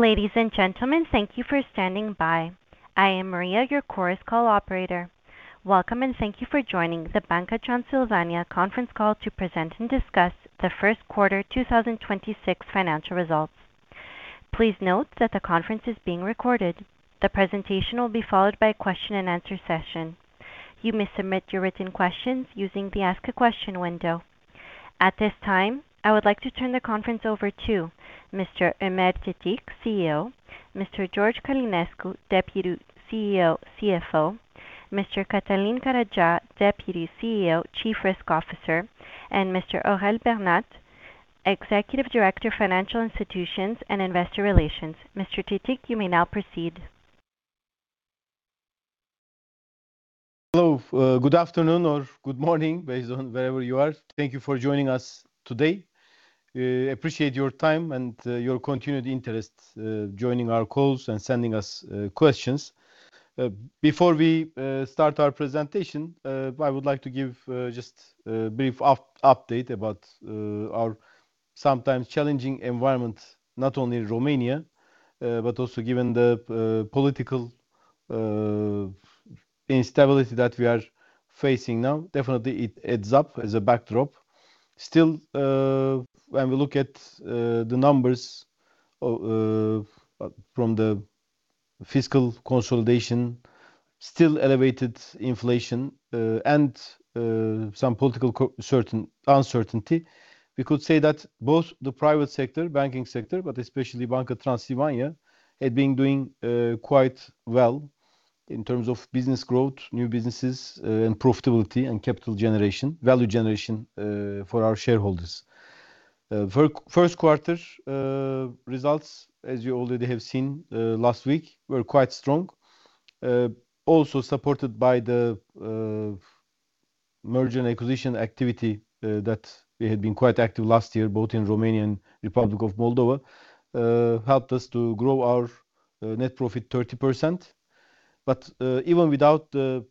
Ladies and gentlemen, thank you for standing by. I am Maria, your chorus call operator. Welcome, and thank you for joining the Banca Transilvania conference call to present and discuss the first quarter 2026 financial results. Please note that the conference is being recorded. The presentation will be followed by a question-and-answer session. You may submit your written questions using the Ask a Question window. At this time, I would like to turn the conference over to Mr. Ömer Tetik, CEO, Mr. George Călinescu, Deputy CEO, CFO, Mr. Cătălin Caragea, Deputy CEO, Chief Risk Officer, and Mr. Aurel Bernat, Executive Director, Financial Institutions and Investor Relations. Mr. Tetik, you may now proceed. Hello, good afternoon or good morning, based on wherever you are. Thank you for joining us today. I appreciate your time and your continued interest joining our calls and sending us questions. Before we start our presentation, I would like to give just a brief update about our sometimes challenging environment, not only in Romania but also given the political instability that we are facing now, definitely it adds up as a backdrop. When we look at the numbers from the fiscal consolidation, still elevated inflation, and some political uncertainty, we could say that both the private sector, banking sector, but especially Banca Transilvania, have been doing quite well in terms of business growth, new businesses, and profitability and capital generation, value generation for our shareholders. First quarter results, as you already have seen last week, were quite strong. Also supported by the merger and acquisition activity that had been quite active last year, both in Romania and Republic of Moldova, helped us to grow our net profit 30%. Even without the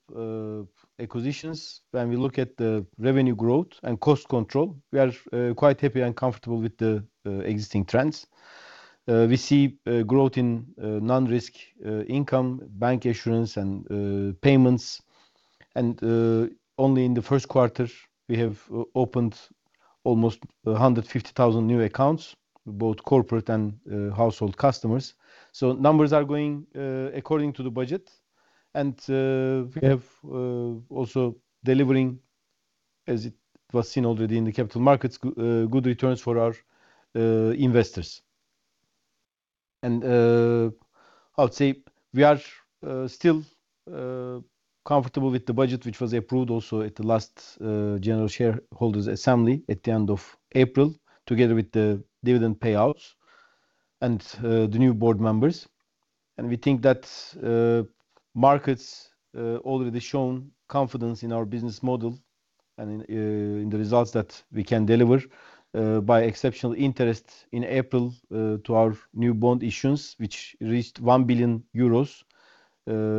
acquisitions, when we look at the revenue growth and cost control, we are quite happy and comfortable with the existing trends. We see growth in non-risk income, bancassurance, and payments. Only in the first quarter, we have opened almost 150,000 new accounts, both corporate and household customers. Numbers are going according to the budget, and we have also delivering, as it was seen already in the capital markets, good returns for our investors. I'll say we are still comfortable with the budget, which was approved also at the last general shareholders' assembly at the end of April, together with the dividend payouts and the new board members. We think that markets already shown confidence in our business model and in the results that we can deliver by exceptional interest in April to our new bond issues, which reached 1 billion euros.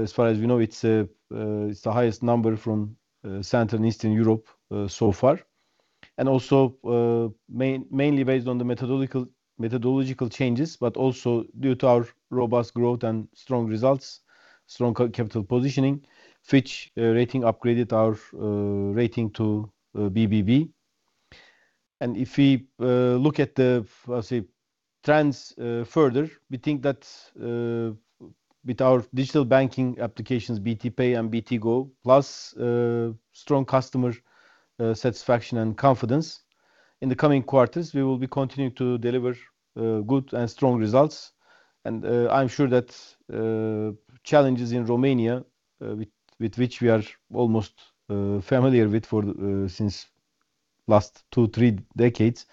As far as we know, it's the highest number from Central and Eastern Europe so far. Also mainly based on the methodological changes, but also due to our robust growth and strong results, strong capital positioning, Fitch Ratings upgraded our rating to BBB. If we look at the trends further, we think that with our digital banking applications, BT Pay and BT Go, plus strong customer satisfaction and confidence, in the coming quarters, we will be continuing to deliver good and strong results. I'm sure that challenges in Romania, with which we are almost familiar with since last two, three decades,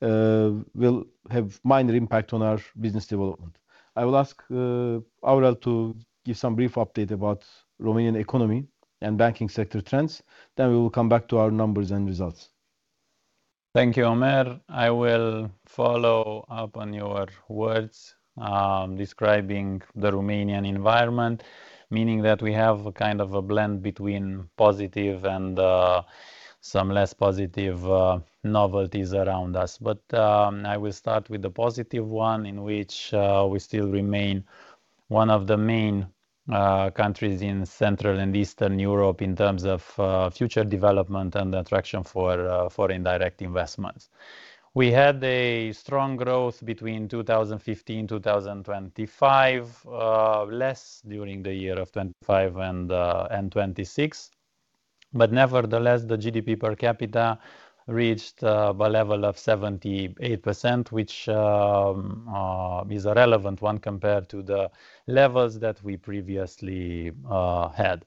will have minor impact on our business development. I will ask Aurel to give some brief update about Romanian economy and banking sector trends, then we will come back to our numbers and results. Thank you, Ömer. I will follow up on your words describing the Romanian environment, meaning that we have a kind of a blend between positive and some less positive novelties around us. I will start with the positive one in which we still remain one of the main countries in Central and Eastern Europe in terms of future development and attraction for foreign direct investments. We had a strong growth between 2015, 2025, less during the year of 2025 and 2026. Nevertheless, the GDP per capita reached the level of 78%, which is a relevant one compared to the levels that we previously had.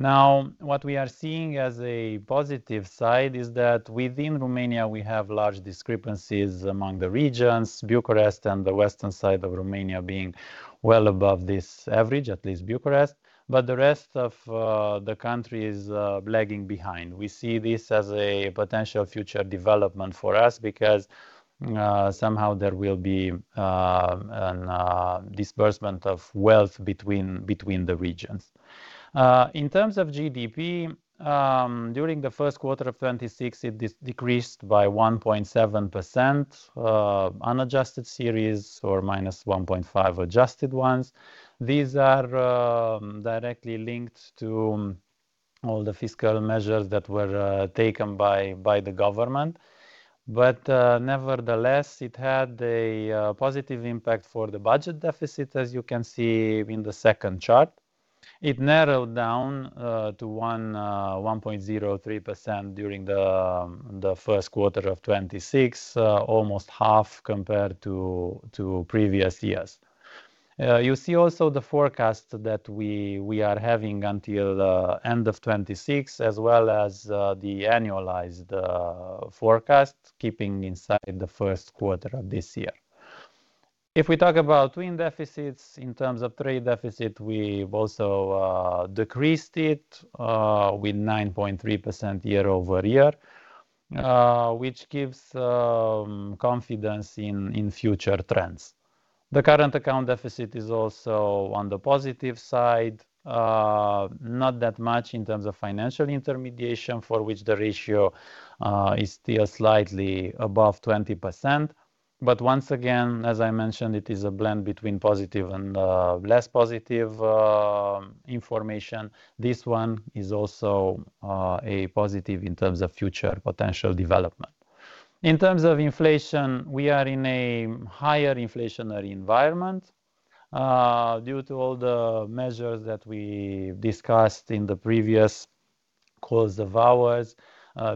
Now, what we are seeing as a positive side is that within Romania, we have large discrepancies among the regions, Bucharest and the western side of Romania being well above this average, at least Bucharest, but the rest of the country is lagging behind. We see this as a potential future development for us because somehow there will be a disbursement of wealth between the regions. In terms of GDP, during the first quarter of 2026, it decreased by 1.7%, unadjusted series or -1.5% adjusted ones. These are directly linked to all the fiscal measures that were taken by the government. Nevertheless, it had a positive impact for the budget deficit, as you can see in the second chart. It narrowed down to 1.03% during the first quarter of 2026, almost half compared to previous years. You see also the forecast that we are having until the end of 2026, as well as the annualized forecast keeping inside the first quarter of this year. If we talk about twin deficits, in terms of trade deficit, we've also decreased it with 9.3% year-over-year, which gives confidence in future trends. The current account deficit is also on the positive side. Not that much in terms of financial intermediation, for which the ratio is still slightly above 20%. Once again, as I mentioned, it is a blend between positive and less positive information. This one is also a positive in terms of future potential development. In terms of inflation, we are in a higher inflationary environment due to all the measures that we discussed in the previous calls of ours.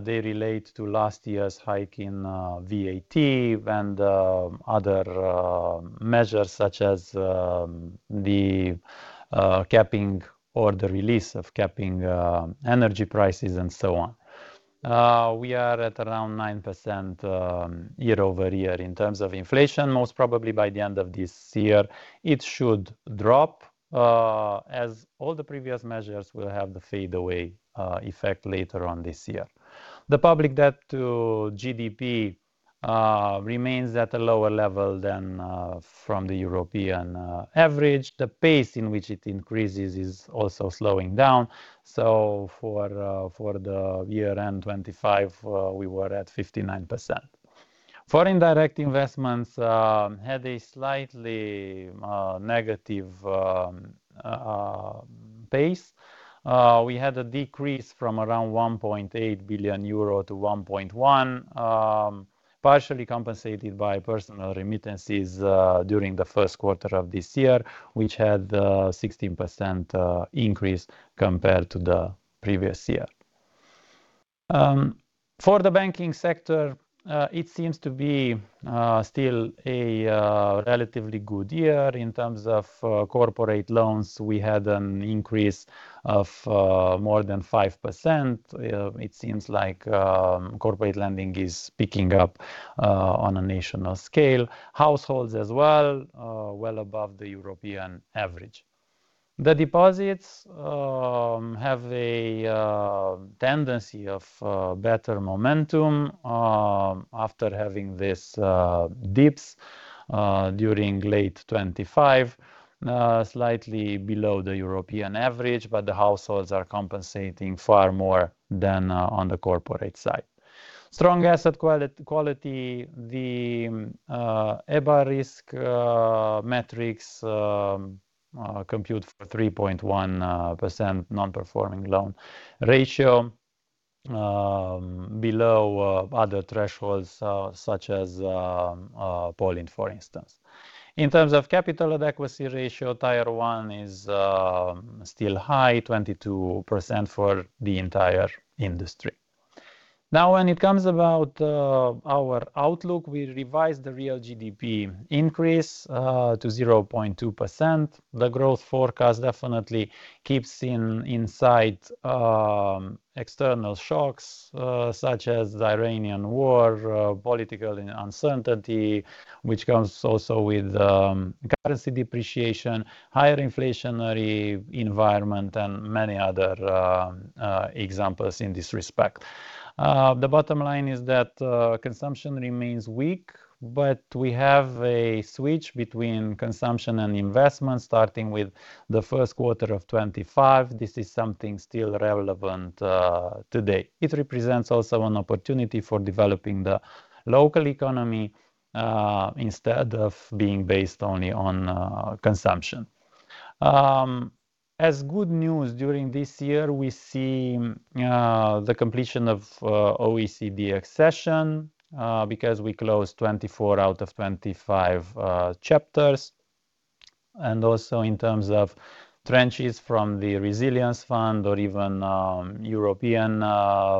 They relate to last year's hike in VAT and other measures such as the capping or the release of capping energy prices and so on. We are at around 9% year-over-year in terms of inflation. Most probably by the end of this year, it should drop as all the previous measures will have the fade away effect later on this year. The public debt to GDP remains at a lower level than from the European average. The pace in which it increases is also slowing down. For the year end 2025, we were at 59%. Foreign direct investments had a slightly negative pace. We had a decrease from around 1.8 billion euro to 1.1 billion, partially compensated by personal remittances during the first quarter of this year, which had a 16% increase compared to the previous year. For the banking sector, it seems to be still a relatively good year in terms of corporate loans. We had an increase of more than 5%. It seems like corporate lending is picking up on a national scale. Households as well, well above the European average. The deposits have a tendency of better momentum after having this dips during late 2025, slightly below the European average, but the households are compensating far more than on the corporate side. Strong asset quality, the EBA risk metrics compute for 3.1% non-performing loan ratio below other thresholds such as Poland, for instance. In terms of capital adequacy ratio, Tier 1 is still high, 22% for the entire industry. Now, when it comes about our outlook, we revised the real GDP increase to 0.2%. The growth forecast definitely keeps in insight external shocks such as the Iranian war, political uncertainty, which comes also with currency depreciation, higher inflationary environment, and many other examples in this respect. The bottom line is that consumption remains weak, but we have a switch between consumption and investment starting with the first quarter of 2025. This is something still relevant today. It represents also an opportunity for developing the local economy instead of being based only on consumption. As good news during this year, we see the completion of OECD accession because we closed 24 out of 25 chapters. Also in terms of trenches from the resilience fund or even European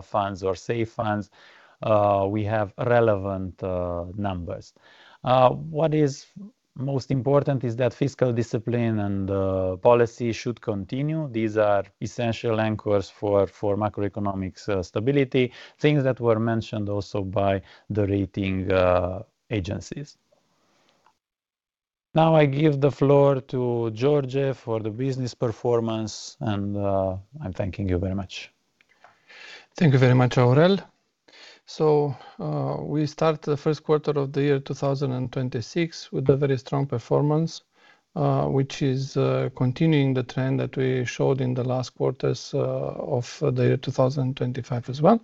funds or safe funds, we have relevant numbers. What is most important is that fiscal discipline and policy should continue. These are essential anchors for macroeconomic stability, things that were mentioned also by the rating agencies. Now I give the floor to George for the business performance, and I'm thanking you very much. Thank you very much, Aurel. We start the first quarter of the year 2026 with a very strong performance, which is continuing the trend that we showed in the last quarters of the year 2025 as well.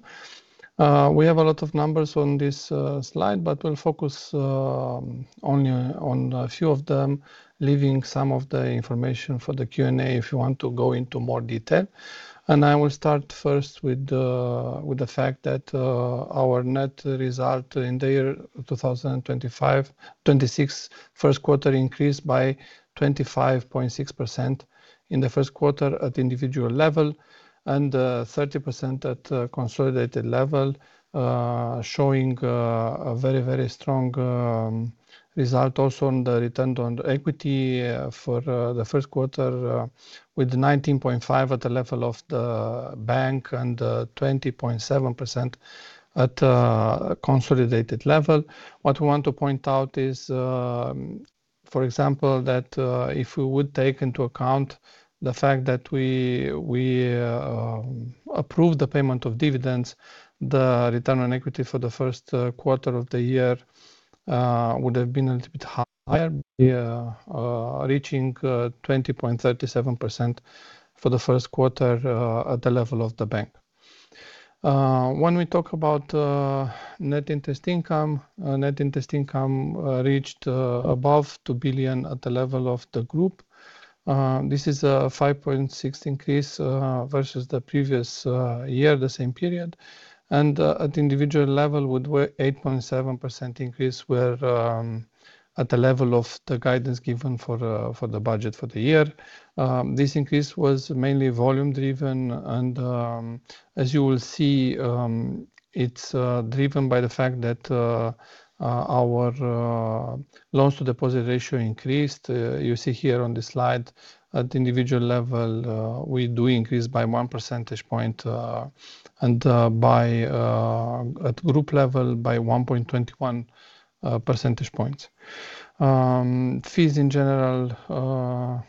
We have a lot of numbers on this slide, we'll focus only on a few of them, leaving some of the information for the Q&A if you want to go into more detail. I will start first with the fact that our net result in the year 2025-2026 first quarter increased by 25.6% in the first quarter at the individual level and 30% at consolidated level, showing a very strong result also on the return on equity for the first quarter, with 19.5% at the level of the bank and 20.7% at a consolidated level. What we want to point out is, for example, that if we would take into account the fact that we approved the payment of dividends, the return on equity for the first quarter of the year would have been a little bit higher, reaching 20.37% for the first quarter at the level of the bank. When we talk about net interest income, net interest income reached above RON 2 billion at the level of the group. This is a 5.6% increase versus the previous year, the same period, and at the individual level, with 8.7% increase, we're at the level of the guidance given for the budget for the year. This increase was mainly volume driven, and as you will see, it's driven by the fact that our loans-to-deposit ratio increased. You see here on this slide at the individual level, we do increase by one percentage point and at group level by 1.21 percentage points. Fees in general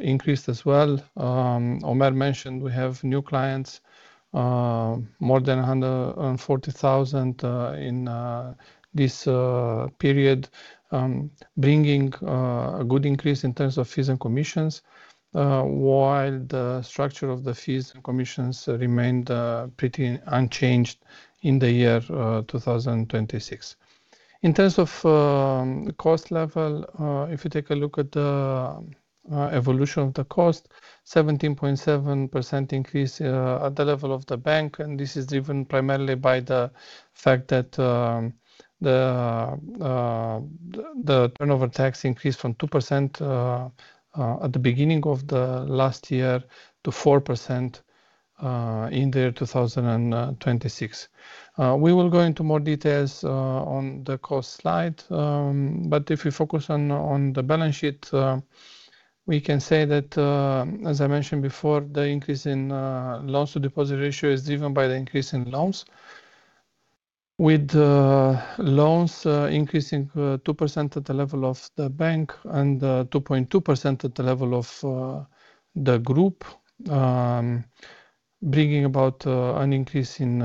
increased as well. Ömer mentioned we have new clients, more than 140,000 in this period, bringing a good increase in terms of fees and commissions, while the structure of the fees and commissions remained pretty unchanged in the year 2026. In terms of cost level, if you take a look at the evolution of the cost, 17.7% increase at the level of the bank, and this is driven primarily by the fact that the turnover tax increased from 2% at the beginning of the last year to 4% in the year 2026. We will go into more details on the cost slide. If we focus on the balance sheet, we can say that, as I mentioned before, the increase in loans-to-deposit ratio is driven by the increase in loans, with loans increasing 2% at the level of the bank and 2.2% at the level of the group, bringing about an increase in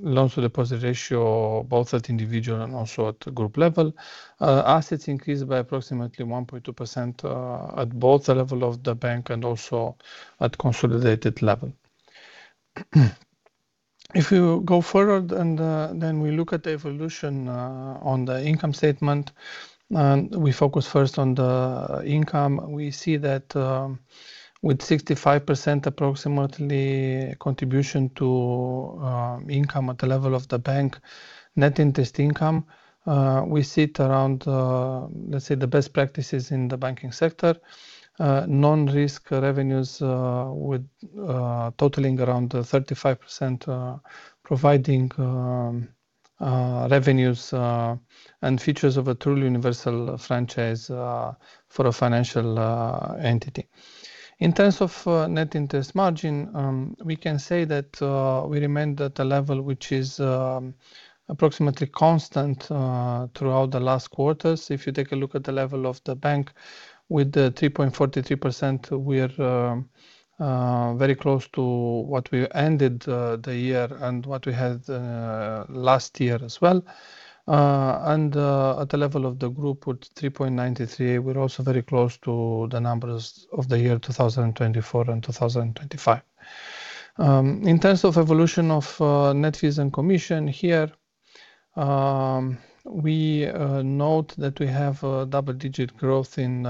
loans-to-deposit ratio both at individual and also at group level. Assets increased by approximately 1.2% at both the level of the bank and also at consolidated level. If we go forward and then we look at the evolution on the income statement and we focus first on the income, we see that with 65% approximately contribution to income at the level of the bank, net interest income, we sit around, let's say, the best practices in the banking sector. Non-risk revenues totaling around 35%, providing revenues and features of a truly universal franchise for a financial entity. In terms of net interest margin, we can say that we remained at a level which is approximately constant throughout the last quarters. If you take a look at the level of the bank with the 3.43%, we are very close to what we ended the year and what we had last year as well. At the level of the group with 3.93%, we're also very close to the numbers of the year 2024 and 2025. In terms of evolution of net fees and commission here, we note that we have double-digit growth in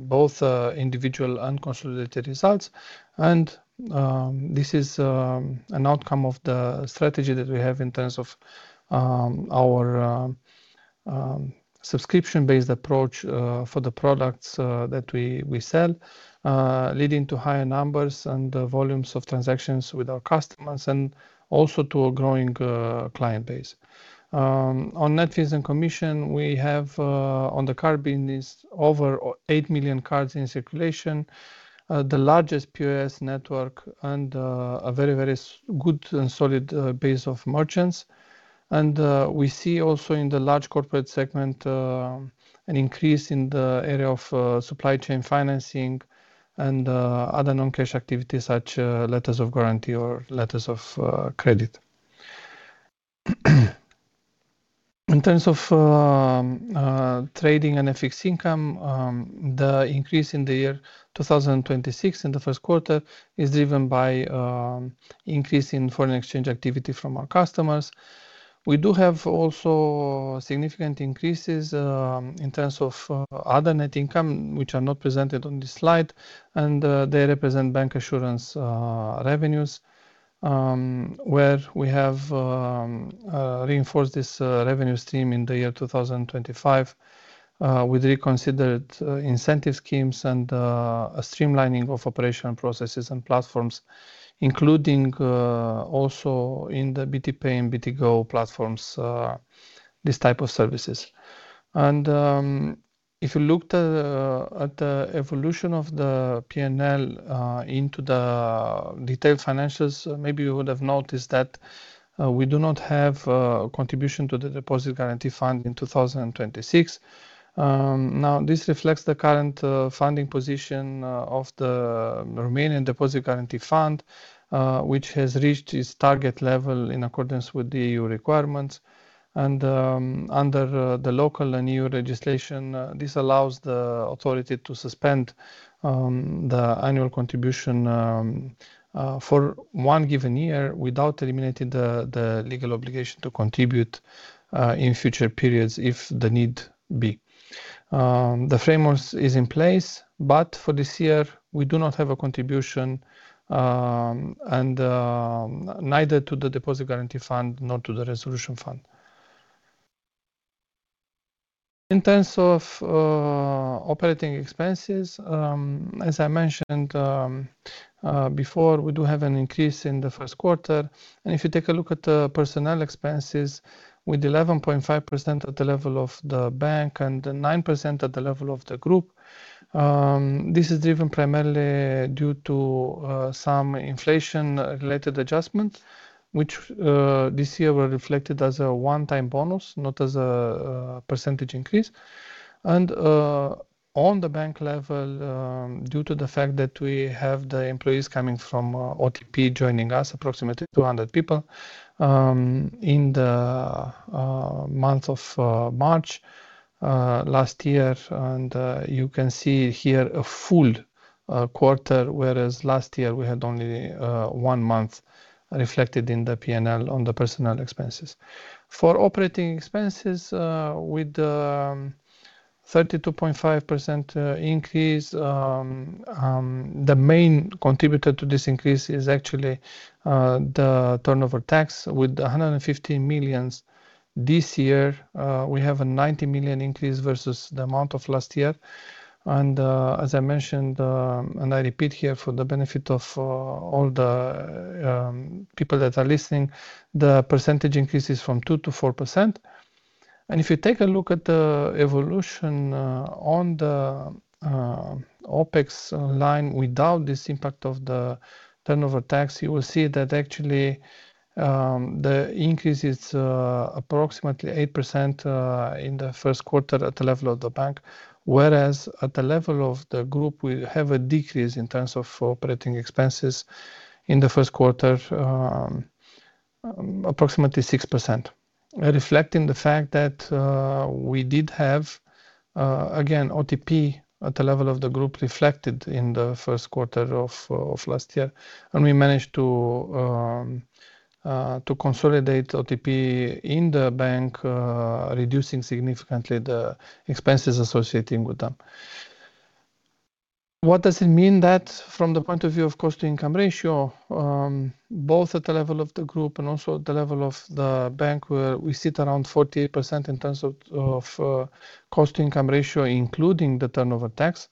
both individual and consolidated results. This is an outcome of the strategy that we have in terms of our subscription-based approach for the products that we sell, leading to higher numbers and volumes of transactions with our customers and also to a growing client base. On net fees and commission we have on the card business over 8 million cards in circulation, the largest POS network, and a very good and solid base of merchants. We see also in the large corporate segment an increase in the area of supply chain financing and other non-cash activities such as letters of guarantee or letters of credit. In terms of trading and FX income, the increase in the year 2026 in the first quarter is driven by increase in foreign exchange activity from our customers. We do have also significant increases in terms of other net income, which are not presented on this slide. They represent bank assurance revenues, where we have reinforced this revenue stream in the year 2025 with reconsidered incentive schemes and a streamlining of operational processes and platforms, including also in the BT Pay and BT Go platforms these type of services. If you looked at the evolution of the P&L into the detailed financials, maybe you would have noticed that we do not have a contribution to the Deposit Guarantee Fund in 2026. This reflects the current funding position of the Romanian Deposit Guarantee Fund, which has reached its target level in accordance with the EU requirements. Under the local and EU legislation, this allows the authority to suspend the annual contribution for one given year without eliminating the legal obligation to contribute in future periods if the need be. The framework is in place, for this year, we do not have a contribution, neither to the Deposit Guarantee Fund nor to the Resolution Fund. In terms of operating expenses, as I mentioned before, we do have an increase in the first quarter. If you take a look at the personnel expenses with 11.5% at the level of the bank and 9% at the level of the group, this is driven primarily due to some inflation-related adjustments, which this year were reflected as a one-time bonus, not as a percentage increase. On the bank level, due to the fact that we have the employees coming from OTP joining us, approximately 200 people, in the month of March last year, you can see here a full quarter, whereas last year we had only one month reflected in the P&L on the personnel expenses. For operating expenses with 32.5% increase, the main contributor to this increase is actually the turnover tax with RON 115 million. This year, we have a RON 90 million increase versus the amount of last year. As I mentioned, and I repeat here for the benefit of all the people that are listening, the percentage increase is from 2%-4%. If you take a look at the evolution on the OpEx line without this impact of the turnover tax, you will see that actually the increase is approximately 8% in the first quarter at the level of the bank. Whereas at the level of the group, we have a decrease in terms of operating expenses in the first quarter, approximately 6%, reflecting the fact that we did have, again, OTP at the level of the group reflected in the first quarter of last year. We managed to consolidate OTP in the bank, reducing significantly the expenses associated with them. What does it mean that from the point of view of cost-to-income ratio, both at the level of the group and also at the level of the bank, where we sit around 48% in terms of cost-to-income ratio, including the turnover tax.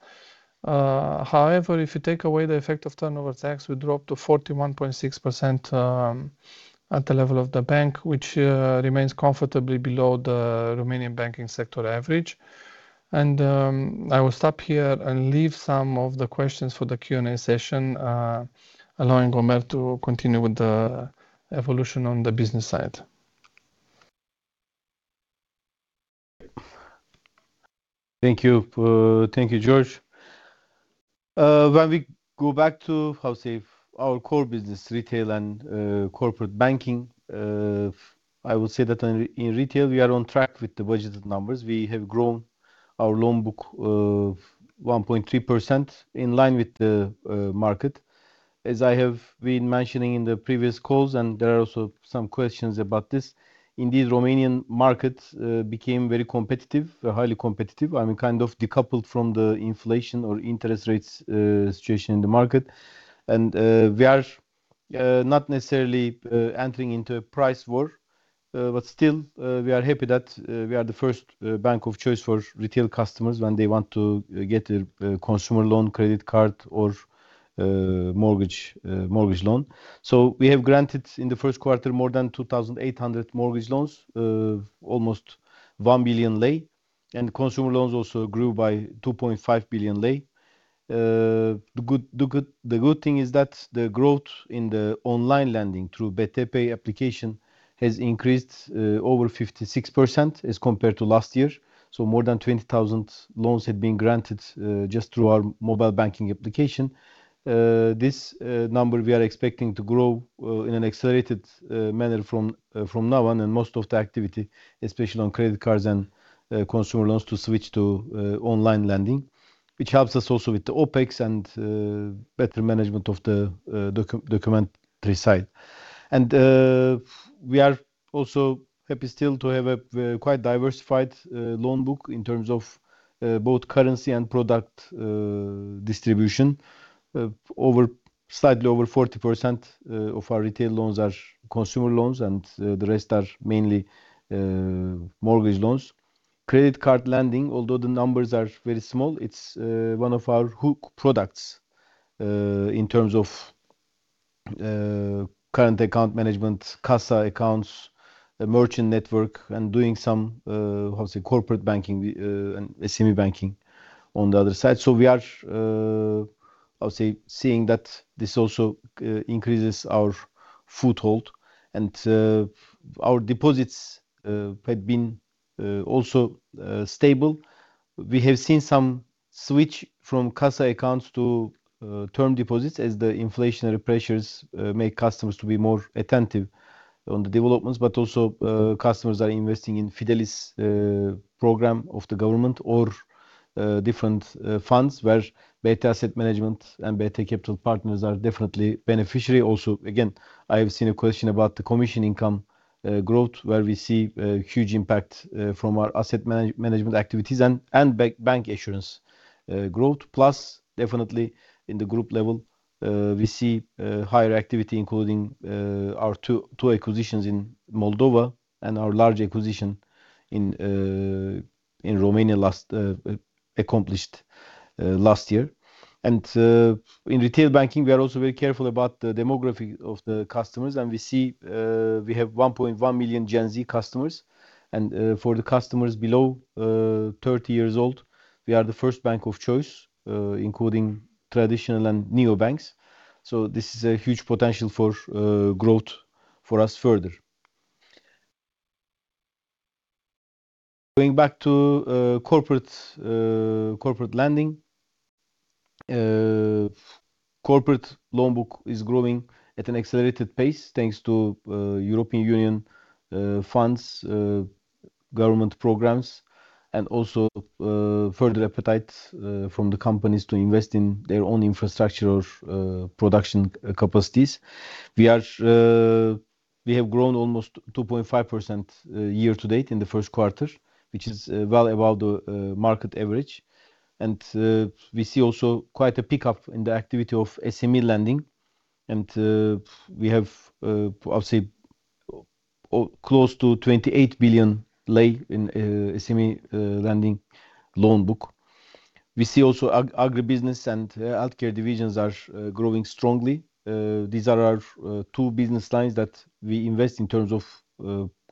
However, if you take away the effect of turnover tax, we drop to 41.6% at the level of the bank, which remains comfortably below the Romanian banking sector average. I will stop here and leave some of the questions for the Q&A session, allowing Ömer to continue with the evolution on the business side. Thank you, George. When we go back to how, say, our core business, retail and corporate banking, I would say that in retail, we are on track with the budgeted numbers. We have grown our loan book of 1.3% in line with the market. As I have been mentioning in the previous calls, and there are also some questions about this. Indeed, Romanian markets became very competitive, highly competitive, kind of decoupled from the inflation or interest rates situation in the market. We are not necessarily entering into a price war, but still we are happy that we are the first bank of choice for retail customers when they want to get a consumer loan, credit card, or mortgage loan. We have granted in the first quarter more than 2,800 mortgage loans of almost RON 1 billion, and consumer loans also grew by RON 2.5 billion. The good thing is that the growth in the online lending through BT Pay application has increased over 56% as compared to last year. More than 20,000 loans have been granted just through our mobile banking application. This number we are expecting to grow in an accelerated manner from now on, and most of the activity, especially on credit cards and consumer loans, to switch to online lending, which helps us also with the OpEx and better management of the documentary side. We are also happy still to have a quite diversified loan book in terms of both currency and product distribution. Slightly over 40% of our retail loans are consumer loans, and the rest are mainly mortgage loans. Credit card lending, although the numbers are very small, it's one of our hook products in terms of current account management, CASA accounts, the merchant network, and doing some corporate banking and SME banking on the other side. We are seeing that this also increases our foothold, and our deposits had been also stable. We have seen some switch from CASA accounts to term deposits as the inflationary pressures make customers to be more attentive on the developments, but also customers are investing in Fidelis program of the government or different funds where BT Asset Management and BT Capital Partners are definitely beneficiary. Also, again, I have seen a question about the commission income growth, where we see a huge impact from our asset management activities and bank assurance growth. Plus, definitely in the group level, we see higher activity, including our two acquisitions in Moldova and our large acquisition accomplished last year. In retail banking, we are also very careful about the demography of the customers, and we see we have 1.1 million Gen Z customers. For the customers below 30 years old, we are the first bank of choice, including traditional and neo banks. This is a huge potential for growth for us further. Going back to corporate lending. Corporate loan book is growing at an accelerated pace, thanks to European Union funds, government programs, and also further appetite from the companies to invest in their own infrastructure or production capacities. We have grown almost 2.5% year to date in the first quarter, which is well above the market average. We see also quite a pickup in the activity of SME lending, we have close to RON 28 billion in SME lending loan book. We see also agribusiness and healthcare divisions are growing strongly. These are our two business lines that we invest in terms of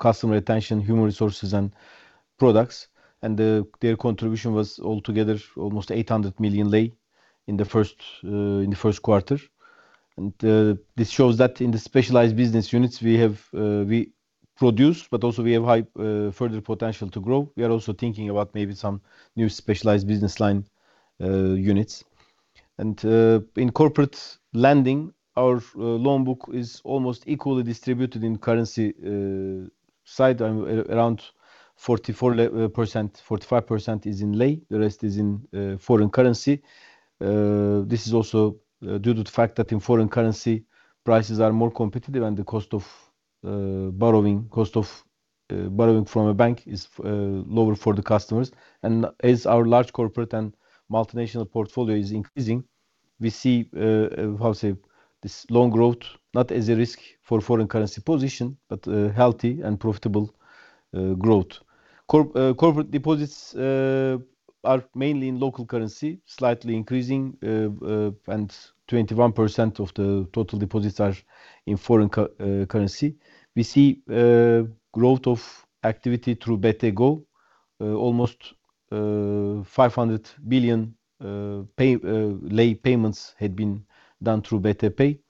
customer retention, human resources, and products, their contribution was altogether almost RON 800 million in the first quarter. This shows that in the specialized business units, we produce, but also we have further potential to grow. We are also thinking about maybe some new specialized business line units. In corporate lending, our loan book is almost equally distributed in currency side, around 44%, 45% is in RON, the rest is in foreign currency. This is also due to the fact that in foreign currency, prices are more competitive and the cost of borrowing from a bank is lower for the customers. As our large corporate and multinational portfolio is increasing, we see this loan growth not as a risk for foreign currency position, but healthy and profitable growth. Corporate deposits are mainly in local currency, slightly increasing, and 21% of the total deposits are in foreign currency. We see growth of activity through BT Go. Almost RON 500 billion payments had been done through BT Pay.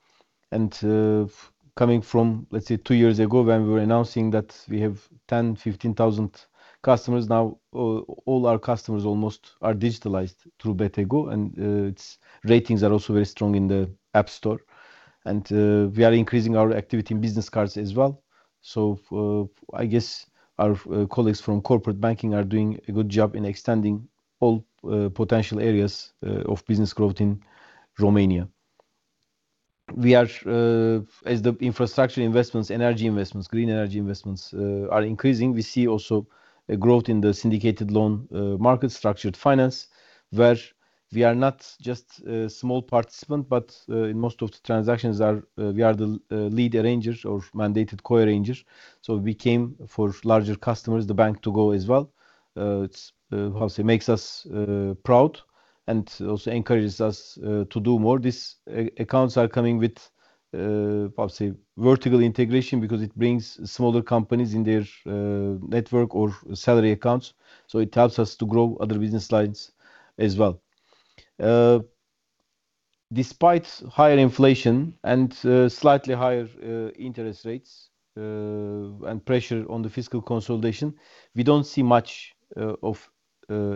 Coming from, let's say, two years ago when we were announcing that we have 10,000, 15,000 customers, now all our customers almost are digitalized through BT Go, and its ratings are also very strong in the App Store. We are increasing our activity in business cards as well. I guess our colleagues from corporate banking are doing a good job in extending all potential areas of business growth in Romania. As the infrastructure investments, energy investments, green energy investments are increasing, we see also a growth in the syndicated loan market, structured finance, where we are not just a small participant, but in most of the transactions we are the lead arrangers or mandated co-arrangers. We became, for larger customers, the bank to go as well. It makes us proud and also encourages us to do more. These accounts are coming with vertical integration because it brings smaller companies in their network or salary accounts. It helps us to grow other business lines as well. Despite higher inflation and slightly higher interest rates and pressure on the fiscal consolidation, we don't see much of a,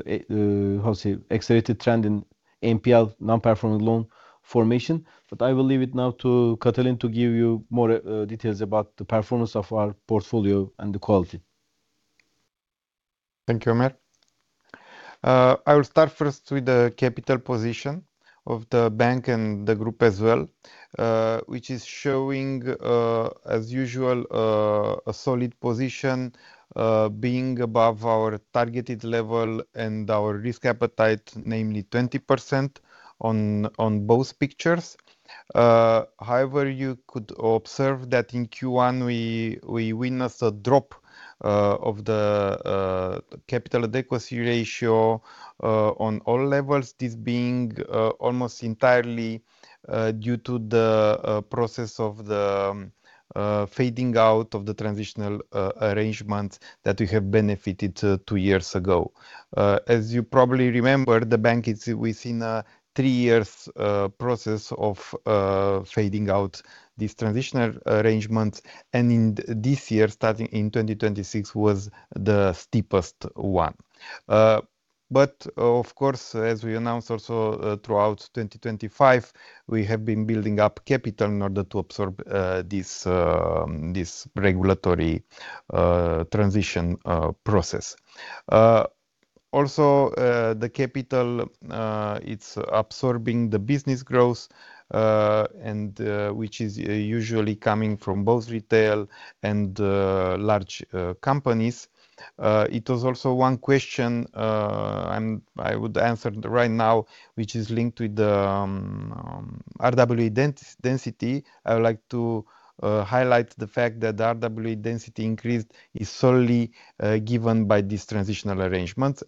how to say, accelerated trend in NPL, non-performing loan formation. I will leave it now to Cătălin to give you more details about the performance of our portfolio and the quality. Thank you, Ömer. I will start first with the capital position of the bank and the group as well, which is showing, as usual, a solid position being above our targeted level and our risk appetite, namely 20% on both pictures. You could observe that in Q1, we witnessed a drop of the capital adequacy ratio on all levels, this being almost entirely due to the process of the fading out of the transitional arrangement that we have benefited two years ago. As you probably remember, the bank is within a three years process of fading out these transitional arrangements, and this year, starting in 2026, was the steepest one. Of course, as we announced also throughout 2025, we have been building up capital in order to absorb this regulatory transition process. The capital, it's absorbing the business growth, which is usually coming from both retail and large companies. It was one question I would answer right now, which is linked with the RWA density. I would like to highlight the fact that the RWA density increase is solely given by this transitional arrangement.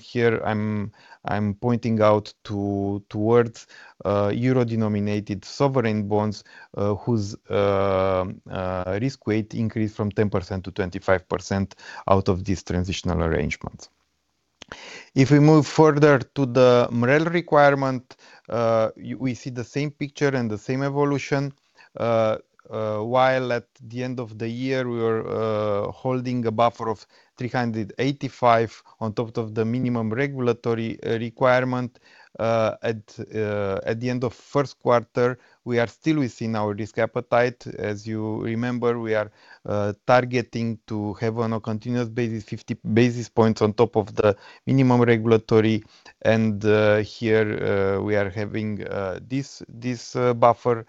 Here I'm pointing out towards euro-denominated sovereign bonds whose risk weight increased from 10% to 25% out of this transitional arrangement. If we move further to the MREL requirement, we see the same picture and the same evolution. While at the end of the year, we were holding a buffer of 385 on top of the minimum regulatory requirement. At the end of first quarter, we are still within our risk appetite. As you remember, we are targeting to have on a continuous basis 50 basis points on top of the minimum regulatory. Here we are having this buffer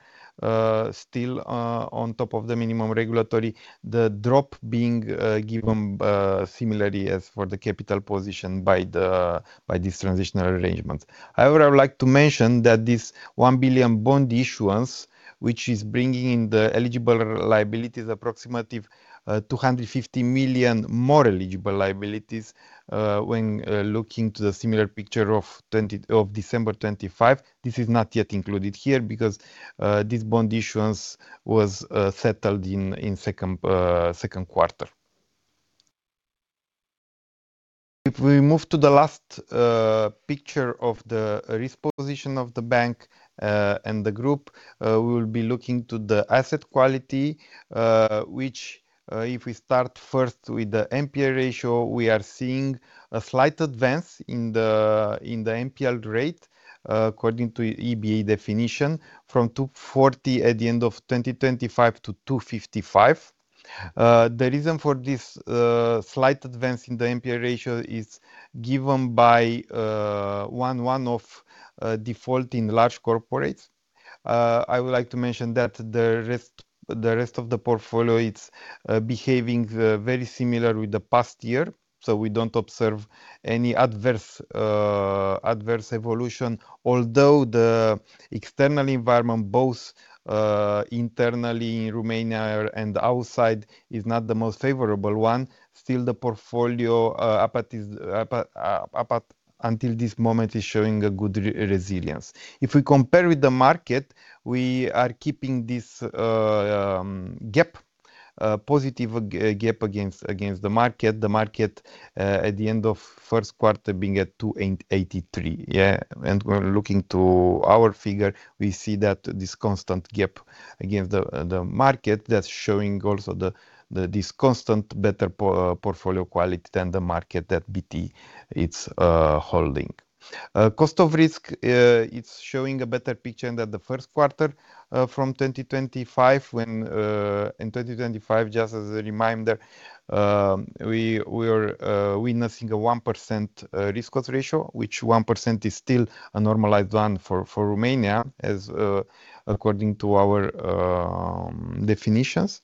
still on top of the minimum regulatory. The drop being given similarly as for the capital position by these transitional arrangements. However, I would like to mention that this RON 1 billion bond issuance, which is bringing in the eligible liabilities approximately RON 250 million more eligible liabilities, when looking to the similar picture of December 2025. This is not yet included here because this bond issuance was settled in second quarter. If we move to the last picture of the risk position of the bank and the group, we'll be looking to the asset quality, which if we start first with the NPL ratio, we are seeing a slight advance in the NPL rate according to EBA definition, from 240 at the end of 2025 to 255. The reason for this slight advance in the NPL ratio is given by one of default in large corporates. I would like to mention that the rest of the portfolio, it's behaving very similar with the past year, so we don't observe any adverse evolution. Although the external environment, both internally in Romania and outside, is not the most favorable one, still the portfolio up until this moment is showing a good resilience. If we compare with the market, we are keeping this positive gap against the market, the market at the end of first quarter being at 283. We're looking to our figure, we see that this constant gap against the market that's showing also this constant better portfolio quality than the market that BT is holding. Cost of risk, it's showing a better picture than the first quarter from 2025 when in 2025, just as a reminder, we were witnessing a 1% risk cost ratio, which 1% is still a normalized one for Romania as according to our definitions.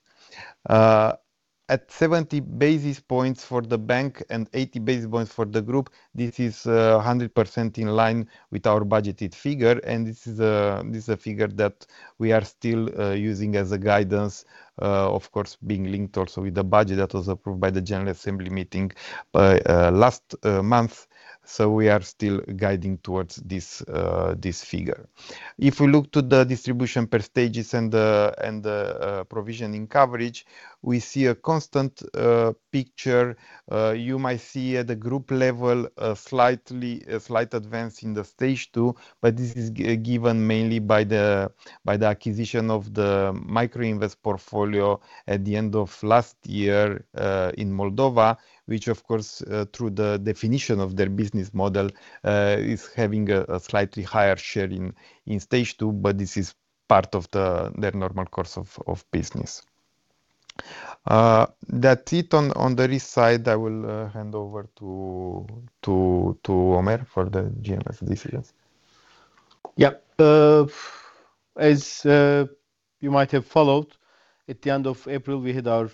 At 70 basis points for the bank and 80 basis points for the group, this is 100% in line with our budgeted figure. This is a figure that we are still using as a guidance, of course, being linked also with the budget that was approved by the General Assembly meeting last month. We are still guiding towards this figure. If we look to the distribution per stages and the provisioning coverage, we see a constant picture. You might see at the group level a slight advance in the stage 2. This is given mainly by the acquisition of the Microinvest portfolio at the end of last year, in Moldova, which of course, through the definition of their business model, is having a slightly higher share in stage 2. This is part of their normal course of business. That tip on the risk side, I will hand over to Ömer for the general decisions. Yes. As you might have followed, at the end of April, we had our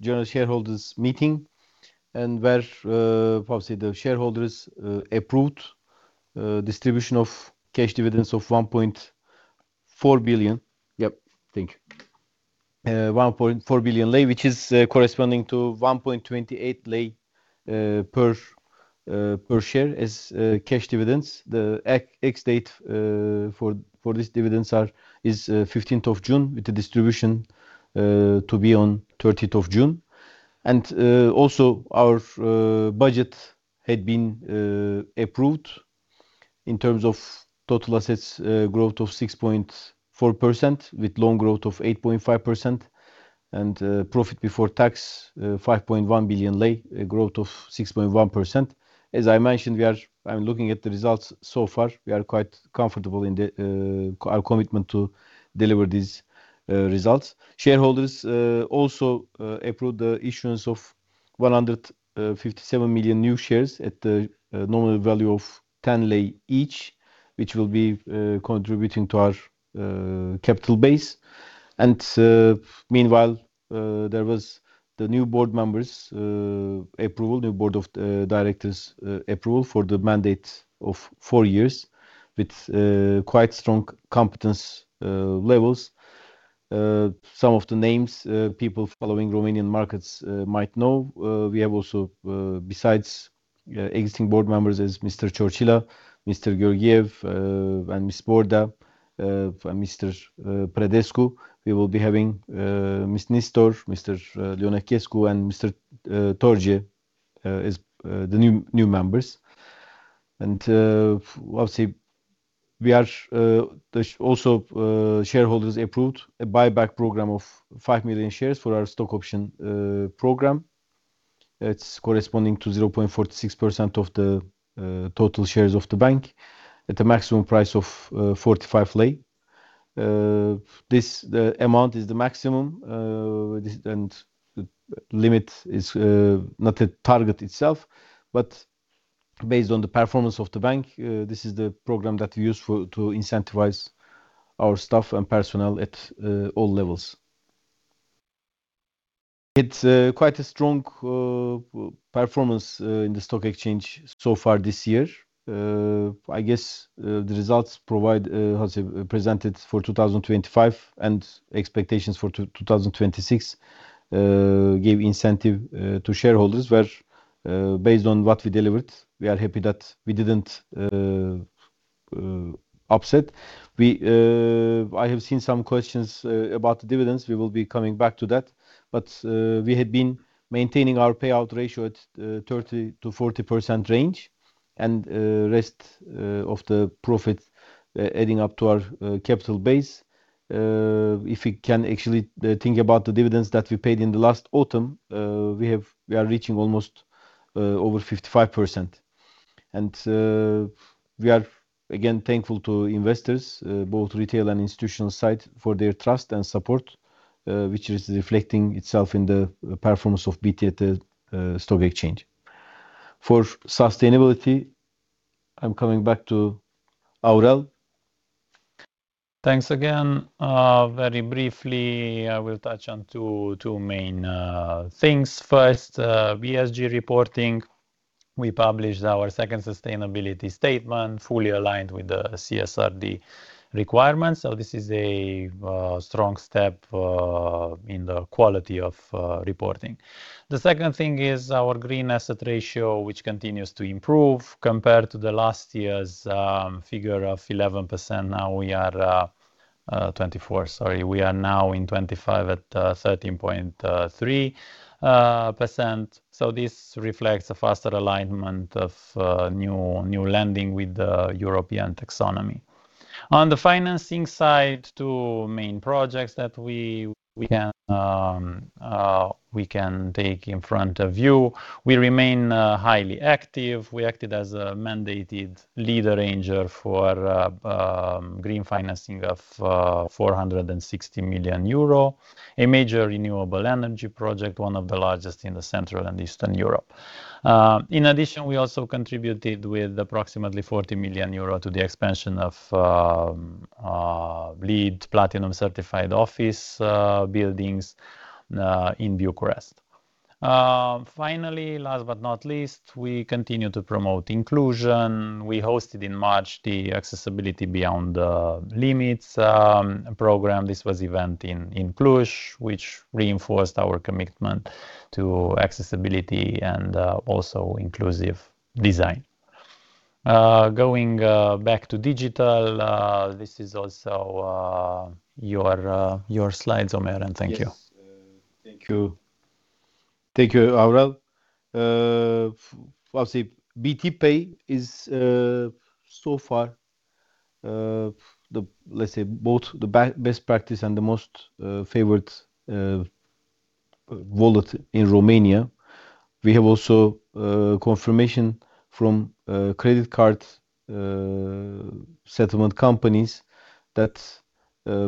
general shareholders meeting where obviously the shareholders approved distribution of cash dividends of RON 1.4 billion, which is corresponding to RON 1.28 per share as cash dividends. The ex-date for these dividends is 15th of June, with the distribution to be on 30th of June. Also our budget had been approved in terms of total assets growth of 6.4% with loan growth of 8.5% and profit before tax RON 5.1 billion, a growth of 6.1%. As I mentioned, I'm looking at the results so far, we are quite comfortable in our commitment to deliver these results. Shareholders also approved the issuance of 157 million new shares at the nominal value of 10 RON each, which will be contributing to our capital base. Meanwhile, there was the new board members approval, the board of directors approval for the mandate of four years with quite strong competence levels. Some of the names people following Romanian markets might know. We have also, besides existing board members as Mr. Ciorcila, Mr. Gueorguiev, and Ms. Bordea, and [Mr. Predescu], we will be having [Ms. Nistor], Mr. [Lionăchescu], and [Mr. Torgie] as the new members. Obviously, also shareholders approved a buyback program of 5 million shares for our stock option program. That's corresponding to 0.46% of the total shares of the bank at the maximum price of 45 RON. This amount is the maximum, and limit is not a target itself, but based on the performance of the bank, this is the program that we use to incentivize our staff and personnel at all levels. It's quite a strong performance in the stock exchange so far this year. I guess the results presented for 2025 and expectations for 2026 gave incentive to shareholders where based on what we delivered, we are happy that we didn't upset. I have seen some questions about dividends. We will be coming back to that. We had been maintaining our payout ratio at 30%-40% range and rest of the profit adding up to our capital base. If we can actually think about the dividends that we paid in the last autumn, we are reaching almost over 55%. We are again thankful to investors, both retail and institutional side for their trust and support, which is reflecting itself in the performance of BT at stock exchange. For sustainability, I am coming back to Aurel. Thanks again. Very briefly, I will touch on two main things. First, ESG reporting. We published our second sustainability statement fully aligned with the CSRD requirements. This is a strong step in the quality of reporting. The second thing is our green asset ratio, which continues to improve compared to the last year's figure of 11%, now we are in 2025 at 13.3%. This reflects a faster alignment of new lending with the European taxonomy. On the financing side, two main projects that we can take in front of you. We remain highly active. We acted as a mandated lead arranger for green financing of 460 million euro, a major renewable energy project, one of the largest in Central and Eastern Europe. In addition, we also contributed with approximately 40 million euro to the expansion of LEED Platinum certified office buildings in Bucharest. Last but not least, we continue to promote inclusion. We hosted in March the Accessibility Beyond the Limits program. This was event in Cluj, which reinforced our commitment to accessibility and also inclusive design. Going back to digital, this is also your slides, Ömer, and thank you. Yes. Thank you, Aurel. Obviously, BT Pay is so far let's say both the best practice and the most favorite wallet in Romania. We have also confirmation from credit card settlement companies that